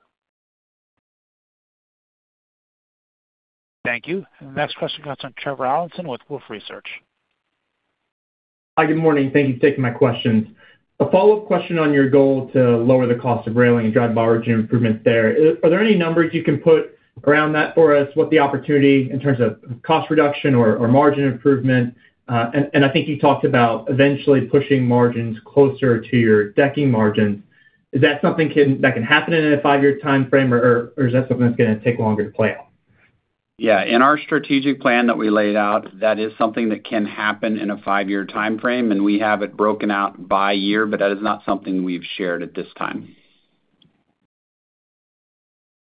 A: Thank you. Next question comes from Trevor Allinson with Wolfe Research.
L: Hi, good morning. Thank you for taking my questions. A follow-up question on your goal to lower the cost of railing and drive margin improvements there. Are there any numbers you can put around that for us? What the opportunity in terms of cost reduction or margin improvement? And I think you talked about eventually pushing margins closer to your decking margins. Is that something that can happen in a five-year timeframe or is that something that's gonna take longer to play out?
C: Yeah. In our strategic plan that we laid out, that is something that can happen in a five-year timeframe, and we have it broken out by year, but that is not something we've shared at this time.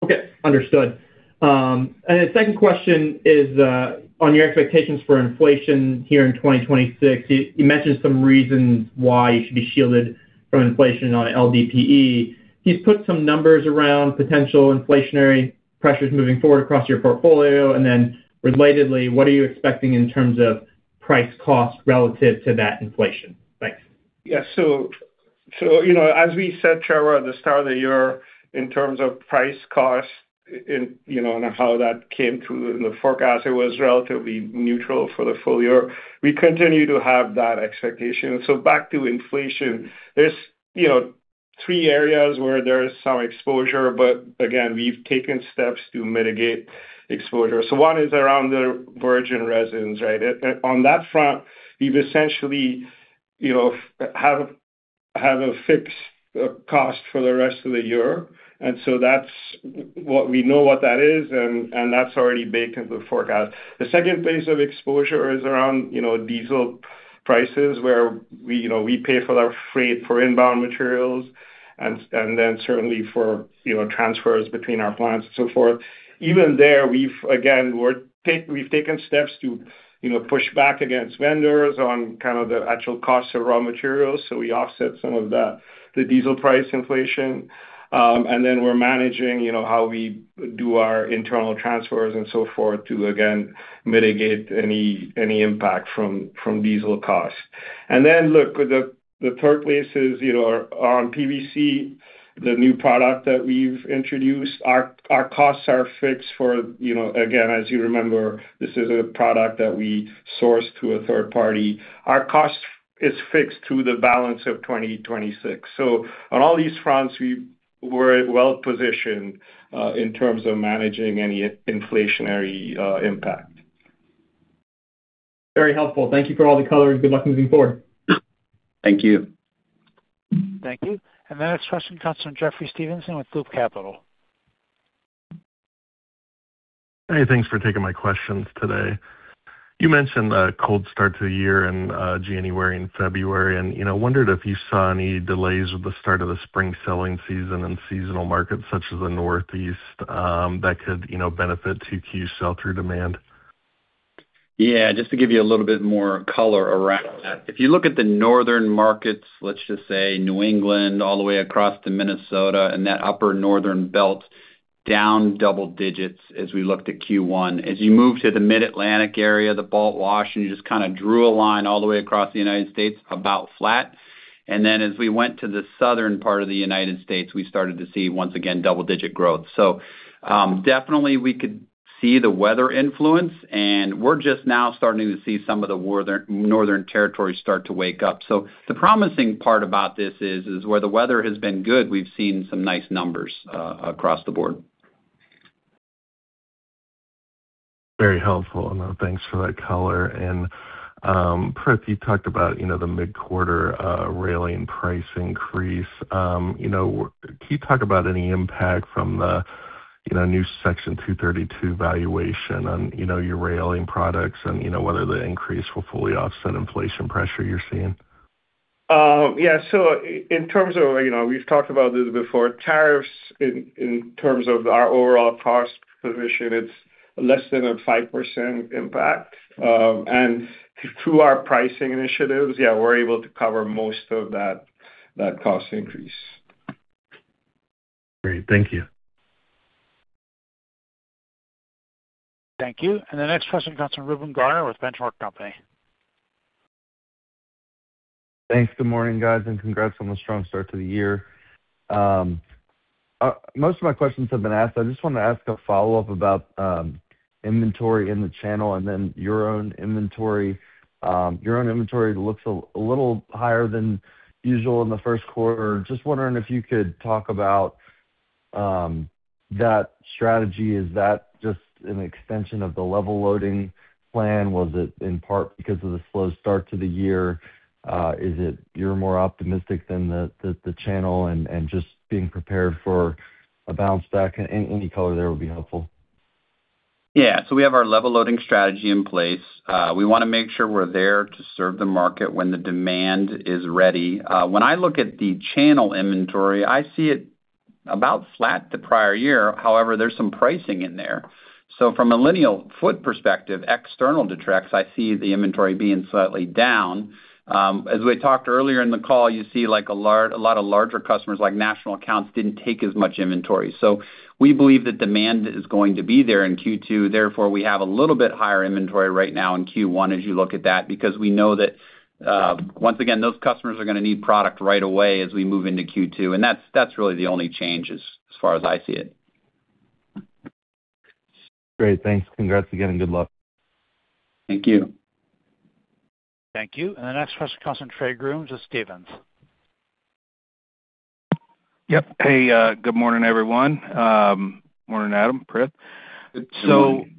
L: Okay. Understood. The second question is on your expectations for inflation here in 2026. You mentioned some reasons why you should be shielded from inflation on LDPE. Can you put some numbers around potential inflationary pressures moving forward across your portfolio? Then relatedly, what are you expecting in terms of price cost relative to that inflation? Thanks.
D: Yeah. You know, as we said, Trevor, at the start of the year, in terms of price cost and, you know, and how that came through in the forecast, it was relatively neutral for the full year. We continue to have that expectation. Back to inflation. There's, you know, three areas where there is some exposure, but again, we've taken steps to mitigate exposure. One is around the virgin resins, right? On that front, we've essentially, you know, have a fixed cost for the rest of the year. We know what that is, and that's already baked into the forecast. The second place of exposure is around, you know, diesel prices where we, you know, we pay for our freight for inbound materials and then certainly for, you know, transfers between our plants and so forth. Even there, we've again, we've taken steps to, you know, push back against vendors on kind of the actual cost of raw materials, so we offset some of that, the diesel price inflation. We're managing, you know, how we do our internal transfers and so forth to again mitigate any impact from diesel costs. Look, the third place is, you know, on PVC, the new product that we've introduced. Our costs are fixed for, you know, again, as you remember, this is a product that we source to a third party. Our cost is fixed through the balance of 2026. On all these fronts, we're well-positioned in terms of managing any inflationary impact.
L: Very helpful. Thank you for all the color, and good luck moving forward.
D: Thank you.
A: Thank you. The next question comes from Jeffrey Stevenson with Loop Capital.
M: Hey, thanks for taking my questions today. You mentioned a cold start to the year in January and February, and, you know, wondered if you saw any delays with the start of the spring selling season and seasonal markets such as the Northeast, that could, you know, benefit to key sell-through demand.
C: Just to give you a little bit more color around that. If you look at the northern markets, let's just say New England all the way across to Minnesota and that upper northern belt, down double digits as we looked at Q1. You move to the Mid-Atlantic area, the Balt-Wash, and you just kinda drew a line all the way across the United States, about flat. Then as we went to the southern part of the United States, we started to see, once again, double-digit growth. Definitely we could see the weather influence, and we're just now starting to see some of the northern territories start to wake up. The promising part about this is where the weather has been good, we've seen some nice numbers across the board.
M: Very helpful. Thanks for that color. Prith, you talked about, you know, the mid-quarter railing price increase. You know, can you talk about any impact from the, you know, new Section 232 valuation on, you know, your railing products and, you know, whether the increase will fully offset inflation pressure you're seeing?
D: Yeah. In terms of, you know, we've talked about this before, tariffs in terms of our overall cost position, it's less than a 5% impact. Through our pricing initiatives, yeah, we're able to cover most of that cost increase.
M: Great. Thank you.
A: Thank you. The next question comes from Reuben Garner with The Benchmark Company.
N: Thanks. Good morning, guys, and congrats on the strong start to the year. Most of my questions have been asked. I just want to ask a follow-up about inventory in the channel and then your own inventory. Your own inventory looks a little higher than usual in the first quarter. Just wondering if you could talk about that strategy. Is that just an extension of the level loading plan? Was it in part because of the slow start to the year? Is it you're more optimistic than the channel and just being prepared for a bounce back? Any color there would be helpful.
C: We have our level loading strategy in place. We wanna make sure we're there to serve the market when the demand is ready. When I look at the channel inventory, I see it about flat the prior year. However, there's some pricing in there. From a lineal foot perspective, external to Trex, I see the inventory being slightly down. As we talked earlier in the call, you see like a lot of larger customers, like national accounts, didn't take as much inventory. We believe the demand is going to be there in Q2, therefore, we have a little bit higher inventory right now in Q1 as you look at that, because we know that once again, those customers are gonna need product right away as we move into Q2. That's really the only change as far as I see it.
N: Great. Thanks. Congrats again and good luck.
C: Thank you.
A: Thank you. The next question comes from Trey Grooms with Stephens.
O: Yep. Hey, good morning, everyone. Morning, Adam, Prith.
D: Good morning.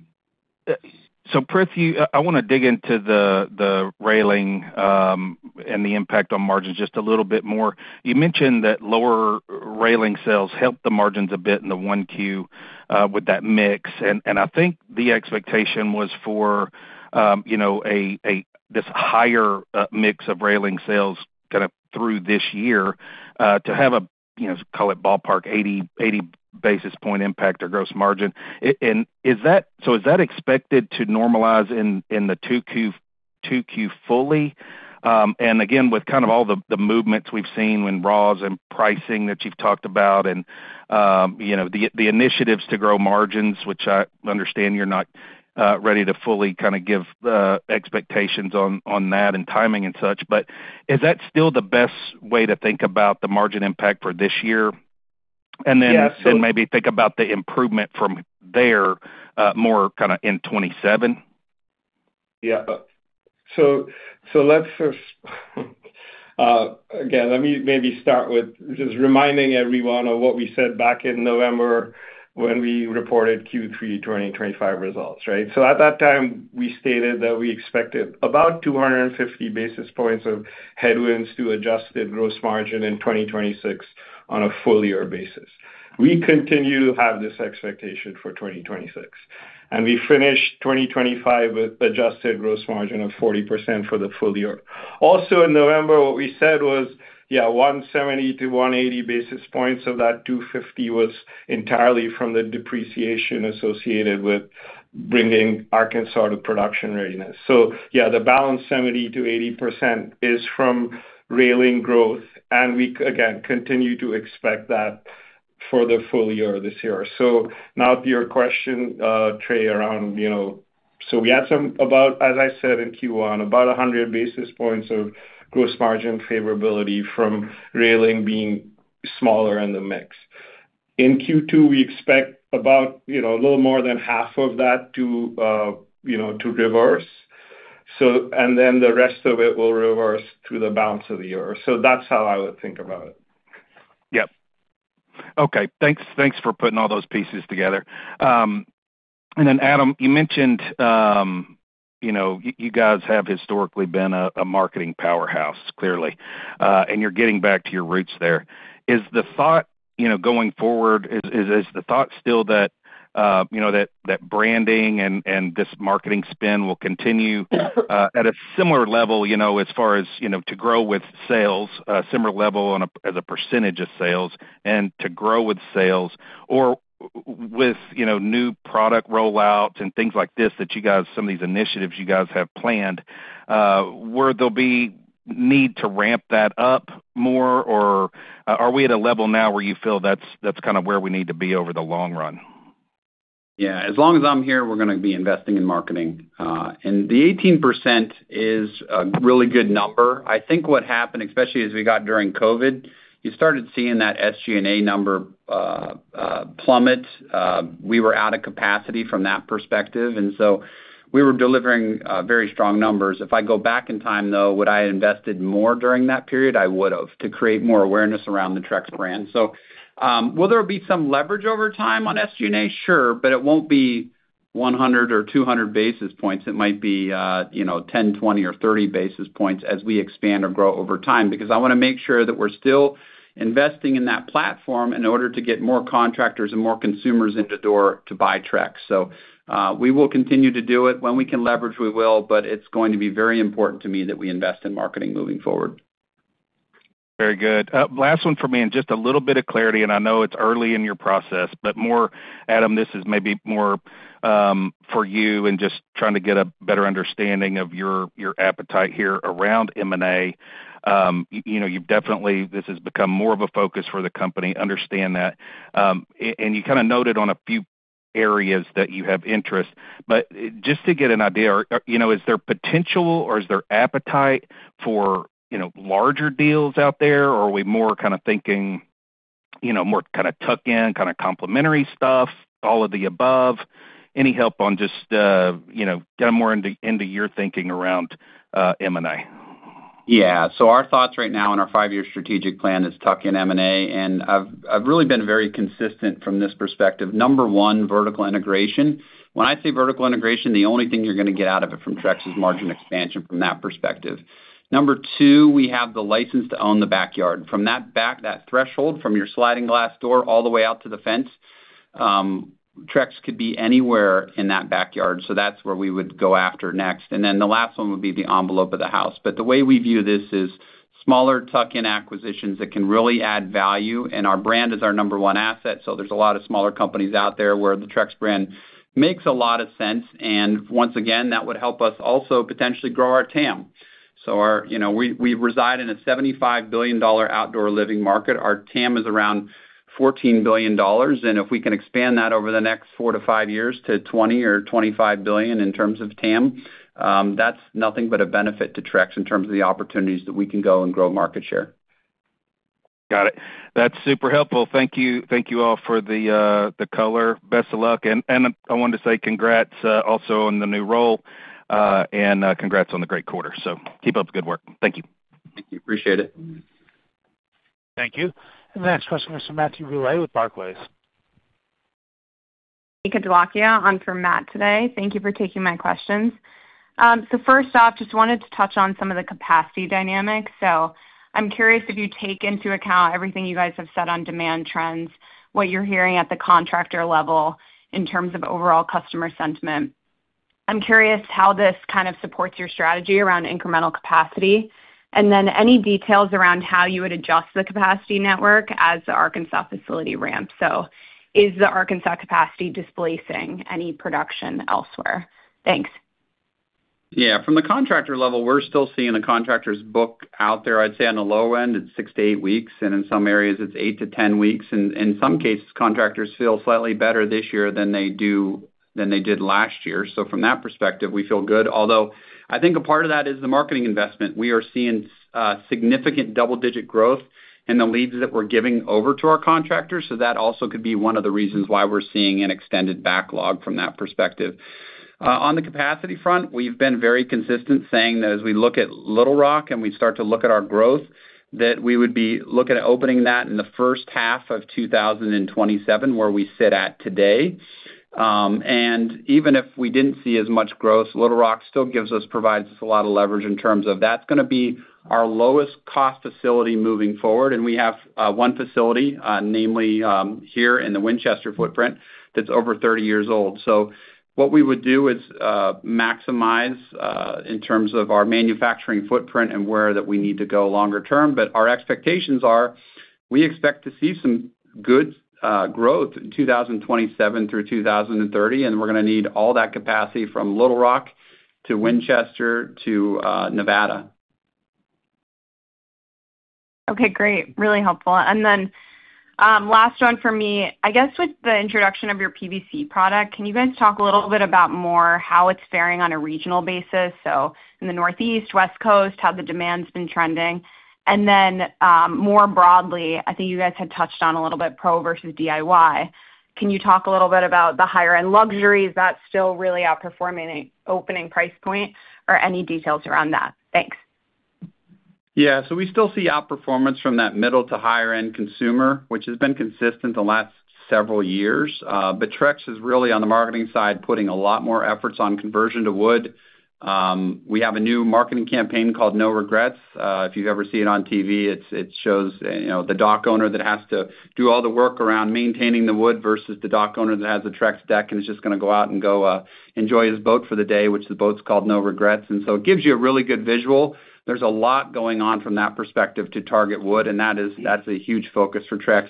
O: Prith, you I wanna dig into the railing and the impact on margins just a little bit more. You mentioned that lower railing sales helped the margins a bit in the 1Q with that mix. I think the expectation was for, you know, this higher mix of railing sales kinda through this year, to have a, you know, call it ballpark 80 basis point impact or gross margin. Is that expected to normalize in the 2Q fully? With kind of all the movements we've seen when raws and pricing that you've talked about and, you know, the initiatives to grow margins, which I understand you're not ready to fully kinda give expectations on that and timing and such, but is that still the best way to think about the margin impact for this year?
D: Yeah, so-
O: Maybe think about the improvement from there, more kinda in 2027.
D: Yeah. Let's just again, let me maybe start with just reminding everyone of what we said back in November when we reported Q3 2025 results, right? At that time, we stated that we expected about 250 basis points of headwinds to adjusted gross margin in 2026 on a full year basis. We continue to have this expectation for 2026, and we finished 2025 with adjusted gross margin of 40% for the full year. Also in November, what we said was, yeah, 170-180 basis points of that 250 was entirely from the depreciation associated with bringing Arkansas to production readiness. Yeah, the balance 70%-80% is from railing growth, and we again continue to expect that for the full year this year. Now to your question, Trey, around, we had some about, as I said, in Q1, about 100 basis points of gross margin favorability from railing being smaller in the mix. In Q2, we expect about a little more than half of that to reverse. Then the rest of it will reverse through the balance of the year. That's how I would think about it.
O: Yep. Okay. Thanks, thanks for putting all those pieces together. Adam, you mentioned, you know, you guys have historically been a marketing powerhouse, clearly. You're getting back to your roots there. Is the thought, you know, going forward, is the thought still that, you know, that branding and this marketing spin will continue at a similar level, you know, as far as, you know, to grow with sales, a similar level on a, as a percentage of sales and to grow with sales or with, you know, new product rollouts and things like this that some of these initiatives you guys have planned, where there'll be need to ramp that up more or are we at a level now where you feel that's kind of where we need to be over the long run?
C: As long as I'm here, we're gonna be investing in marketing. The 18% is a really good number. I think what happened, especially as we got during COVID, you started seeing that SG&A number plummet. We were out of capacity from that perspective, and so we were delivering very strong numbers. If I go back in time though, would I invested more during that period? I would've, to create more awareness around the Trex brand. Will there be some leverage over time on SG&A? Sure, it won't be 100 or 200 basis points. It might be, you know, 10, 20, or 30 basis points as we expand or grow over time. I wanna make sure that we're still investing in that platform in order to get more contractors and more consumers in the door to buy Trex. We will continue to do it. When we can leverage, we will, but it's going to be very important to me that we invest in marketing moving forward.
O: Very good. Last one for me and just a little bit of clarity, and I know it's early in your process, but more Adam, this is maybe more for you and just trying to get a better understanding of your appetite here around M&A. You know, this has become more of a focus for the company. Understand that. And you kinda noted on a few areas that you have interest. Just to get an idea, are You know, is there potential or is there appetite for, you know, larger deals out there? Are we more kinda thinking, you know, more kinda tuck in, kinda complementary stuff, all of the above? Any help on just, you know, getting more into your thinking around M&A?
C: Our thoughts right now in our five-year strategic plan is tuck-in M&A, and I've really been very consistent from this perspective. Number one, vertical integration. When I say vertical integration, the only thing you're going to get out of it from Trex is margin expansion from that perspective. Number two, we have the license to own the backyard. From that threshold, from your sliding glass door all the way out to the fence, Trex could be anywhere in that backyard, so that's where we would go after next. The last one would be the envelope of the house. The way we view this is smaller tuck-in acquisitions that can really add value, and our brand is our number one asset, so there's a lot of smaller companies out there where the Trex brand makes a lot of sense. Once again, that would help us also potentially grow our TAM. You know, we reside in a $75 billion outdoor living market. Our TAM is around $14 billion, if we can expand that over the next four to five years to $20 billion or $25 billion in terms of TAM, that's nothing but a benefit to Trex in terms of the opportunities that we can go and grow market share.
O: Got it. That's super helpful. Thank you. Thank you all for the color. Best of luck. I wanted to say congrats also on the new role and congrats on the great quarter. Keep up the good work. Thank you.
C: Thank you. Appreciate it.
A: Thank you. The next question is from Matthew Bouley with Barclays.
P: Nika Dholakia on for Matt today. Thank you for taking my questions. First off, just wanted to touch on some of the capacity dynamics. I'm curious if you take into account everything you guys have said on demand trends, what you're hearing at the contractor level in terms of overall customer sentiment. I'm curious how this kind of supports your strategy around incremental capacity, and then any details around how you would adjust the capacity network as the Arkansas facility ramps. Is the Arkansas capacity displacing any production elsewhere? Thanks.
C: Yeah. From the contractor level, we're still seeing the contractors book out there, I'd say on the low end, it's six to eight weeks, and in some areas it's 8-10 weeks. In some cases, contractors feel slightly better this year than they did last year. From that perspective, we feel good. Although, I think a part of that is the marketing investment. We are seeing significant double-digit growth in the leads that we're giving over to our contractors, so that also could be one of the reasons why we're seeing an extended backlog from that perspective. On the capacity front, we've been very consistent saying that as we look at Little Rock and we start to look at our growth, that we would be looking at opening that in the first half of 2027, where we sit at today. Even if we didn't see as much growth, Little Rock still provides us a lot of leverage in terms of that's gonna be our lowest cost facility moving forward. We have one facility, namely, here in the Winchester footprint, that's over 30 years old. What we would do is maximize in terms of our manufacturing footprint and where that we need to go longer term. Our expectations are, we expect to see some good growth in 2027 through 2030, and we're gonna need all that capacity from Little Rock to Winchester to Nevada.
P: Okay, great. Really helpful. Last one for me. I guess with the introduction of your PVC product, can you guys talk a little bit about more how it's faring on a regional basis? In the Northeast, West Coast, how the demand's been trending. More broadly, I think you guys had touched on a little bit pro versus DIY. Can you talk a little bit about the higher-end luxury? Is that still really outperforming opening price point, or any details around that? Thanks.
C: Yeah. We still see outperformance from that middle to higher end consumer, which has been consistent the last several years. Trex is really on the marketing side, putting a lot more efforts on conversion to wood. We have a new marketing campaign called No Regrets. If you've ever seen it on TV, it's, it shows, you know, the dock owner that has to do all the work around maintaining the wood versus the dock owner that has the Trex deck and is just gonna go out and go, enjoy his boat for the day, which the boat's called No Regrets. It gives you a really good visual. There's a lot going on from that perspective to target wood, and that's a huge focus for Trex.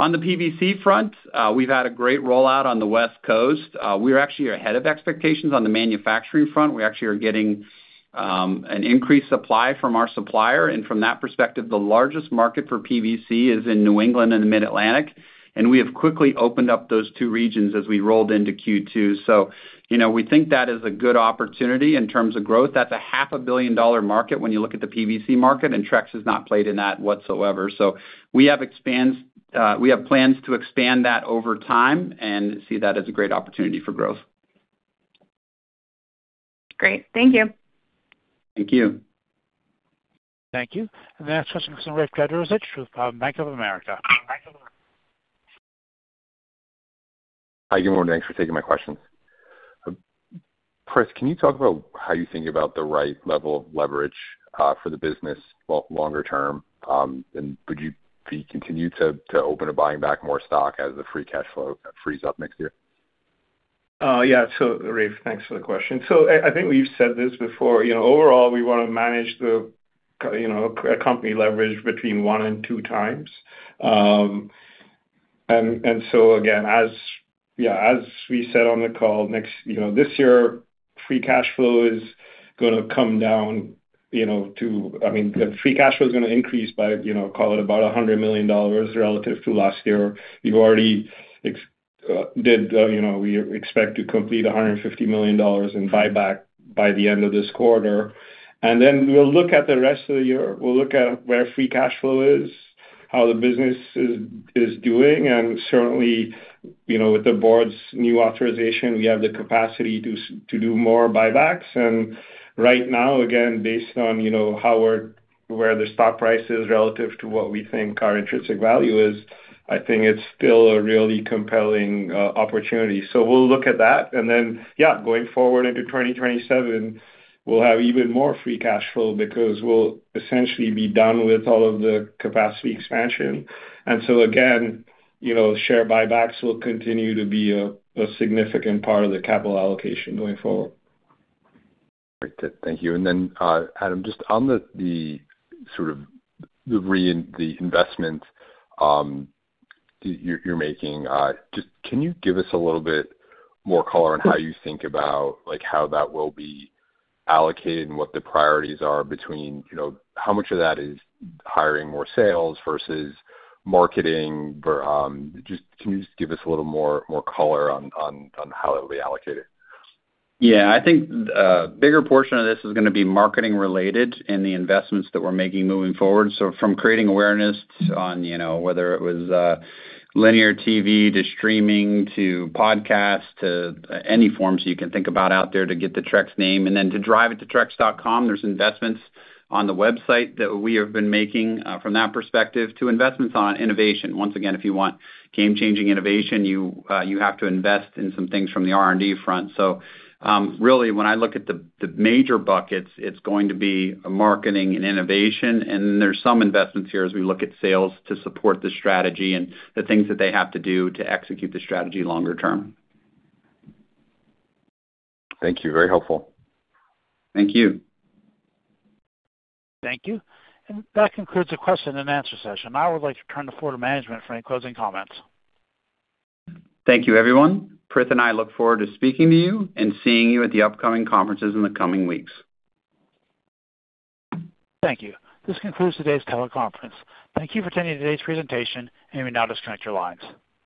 C: On the PVC front, we've had a great rollout on the West Coast. We're actually ahead of expectations on the manufacturing front. We actually are getting an increased supply from our supplier. From that perspective, the largest market for PVC is in New England and the Mid-Atlantic, and we have quickly opened up those two regions as we rolled into Q2. You know, we think that is a good opportunity in terms of growth. That's a $500,000 million market when you look at the PVC market, and Trex has not played in that whatsoever. We have plans to expand that over time and see that as a great opportunity for growth.
P: Great. Thank you.
C: Thank you.
A: Thank you. The next question comes from Rafe Jadrosich with Bank of America.
Q: Hi, good morning. Thanks for taking my questions. Prith, can you talk about how you think about the right level of leverage for the business well longer term? Would you be continued to open to buying back more stock as the free cash flow frees up next year?
D: Yeah. Rafe, thanks for the question. I think we've said this before. You know, overall, we wanna manage the, you know, a company leverage between one and two times. Again, as we said on the call, you know, this year, free cash flow is gonna increase by, you know, call it about $100 million relative to last year. We've already, you know, we expect to complete $150 million in buyback by the end of this quarter. We'll look at the rest of the year. We'll look at where free cash flow is, how the business is doing. Certainly, you know, with the board's new authorization, we have the capacity to do more buybacks. Right now, again, based on, you know, how where the stock price is relative to what we think our intrinsic value is, I think it's still a really compelling opportunity. We'll look at that. Yeah, going forward into 2027, we'll have even more free cash flow because we'll essentially be done with all of the capacity expansion. Again, you know, share buybacks will continue to be a significant part of the capital allocation going forward.
Q: Great. Thank you. Adam, just on the investment you're making, just can you give us a little bit more color on how you think about, like, how that will be allocated and what the priorities are between, you know, how much of that is hiring more sales versus marketing? Just can you just give us a little more color on how it'll be allocated?
C: Yeah. I think, bigger portion of this is gonna be marketing related in the investments that we're making moving forward. From creating awareness on, you know, whether it was, linear TV to streaming to podcast to any forms you can think about out there to get the Trex name, and then to drive it to trex.com, there's investments on the website that we have been making from that perspective, to investments on innovation. Once again, if you want game-changing innovation, you have to invest in some things from the R&D front. Really when I look at the major buckets, it's going to be marketing and innovation. There's some investments here as we look at sales to support the strategy and the things that they have to do to execute the strategy longer term.
Q: Thank you. Very helpful.
C: Thank you.
A: Thank you. That concludes the question and answer session. Now I would like to turn the floor to management for any closing comments.
C: Thank you, everyone. Prith and I look forward to speaking to you and seeing you at the upcoming conferences in the coming weeks.
A: Thank you. This concludes today's teleconference. Thank you for attending today's presentation, and you may now disconnect your lines.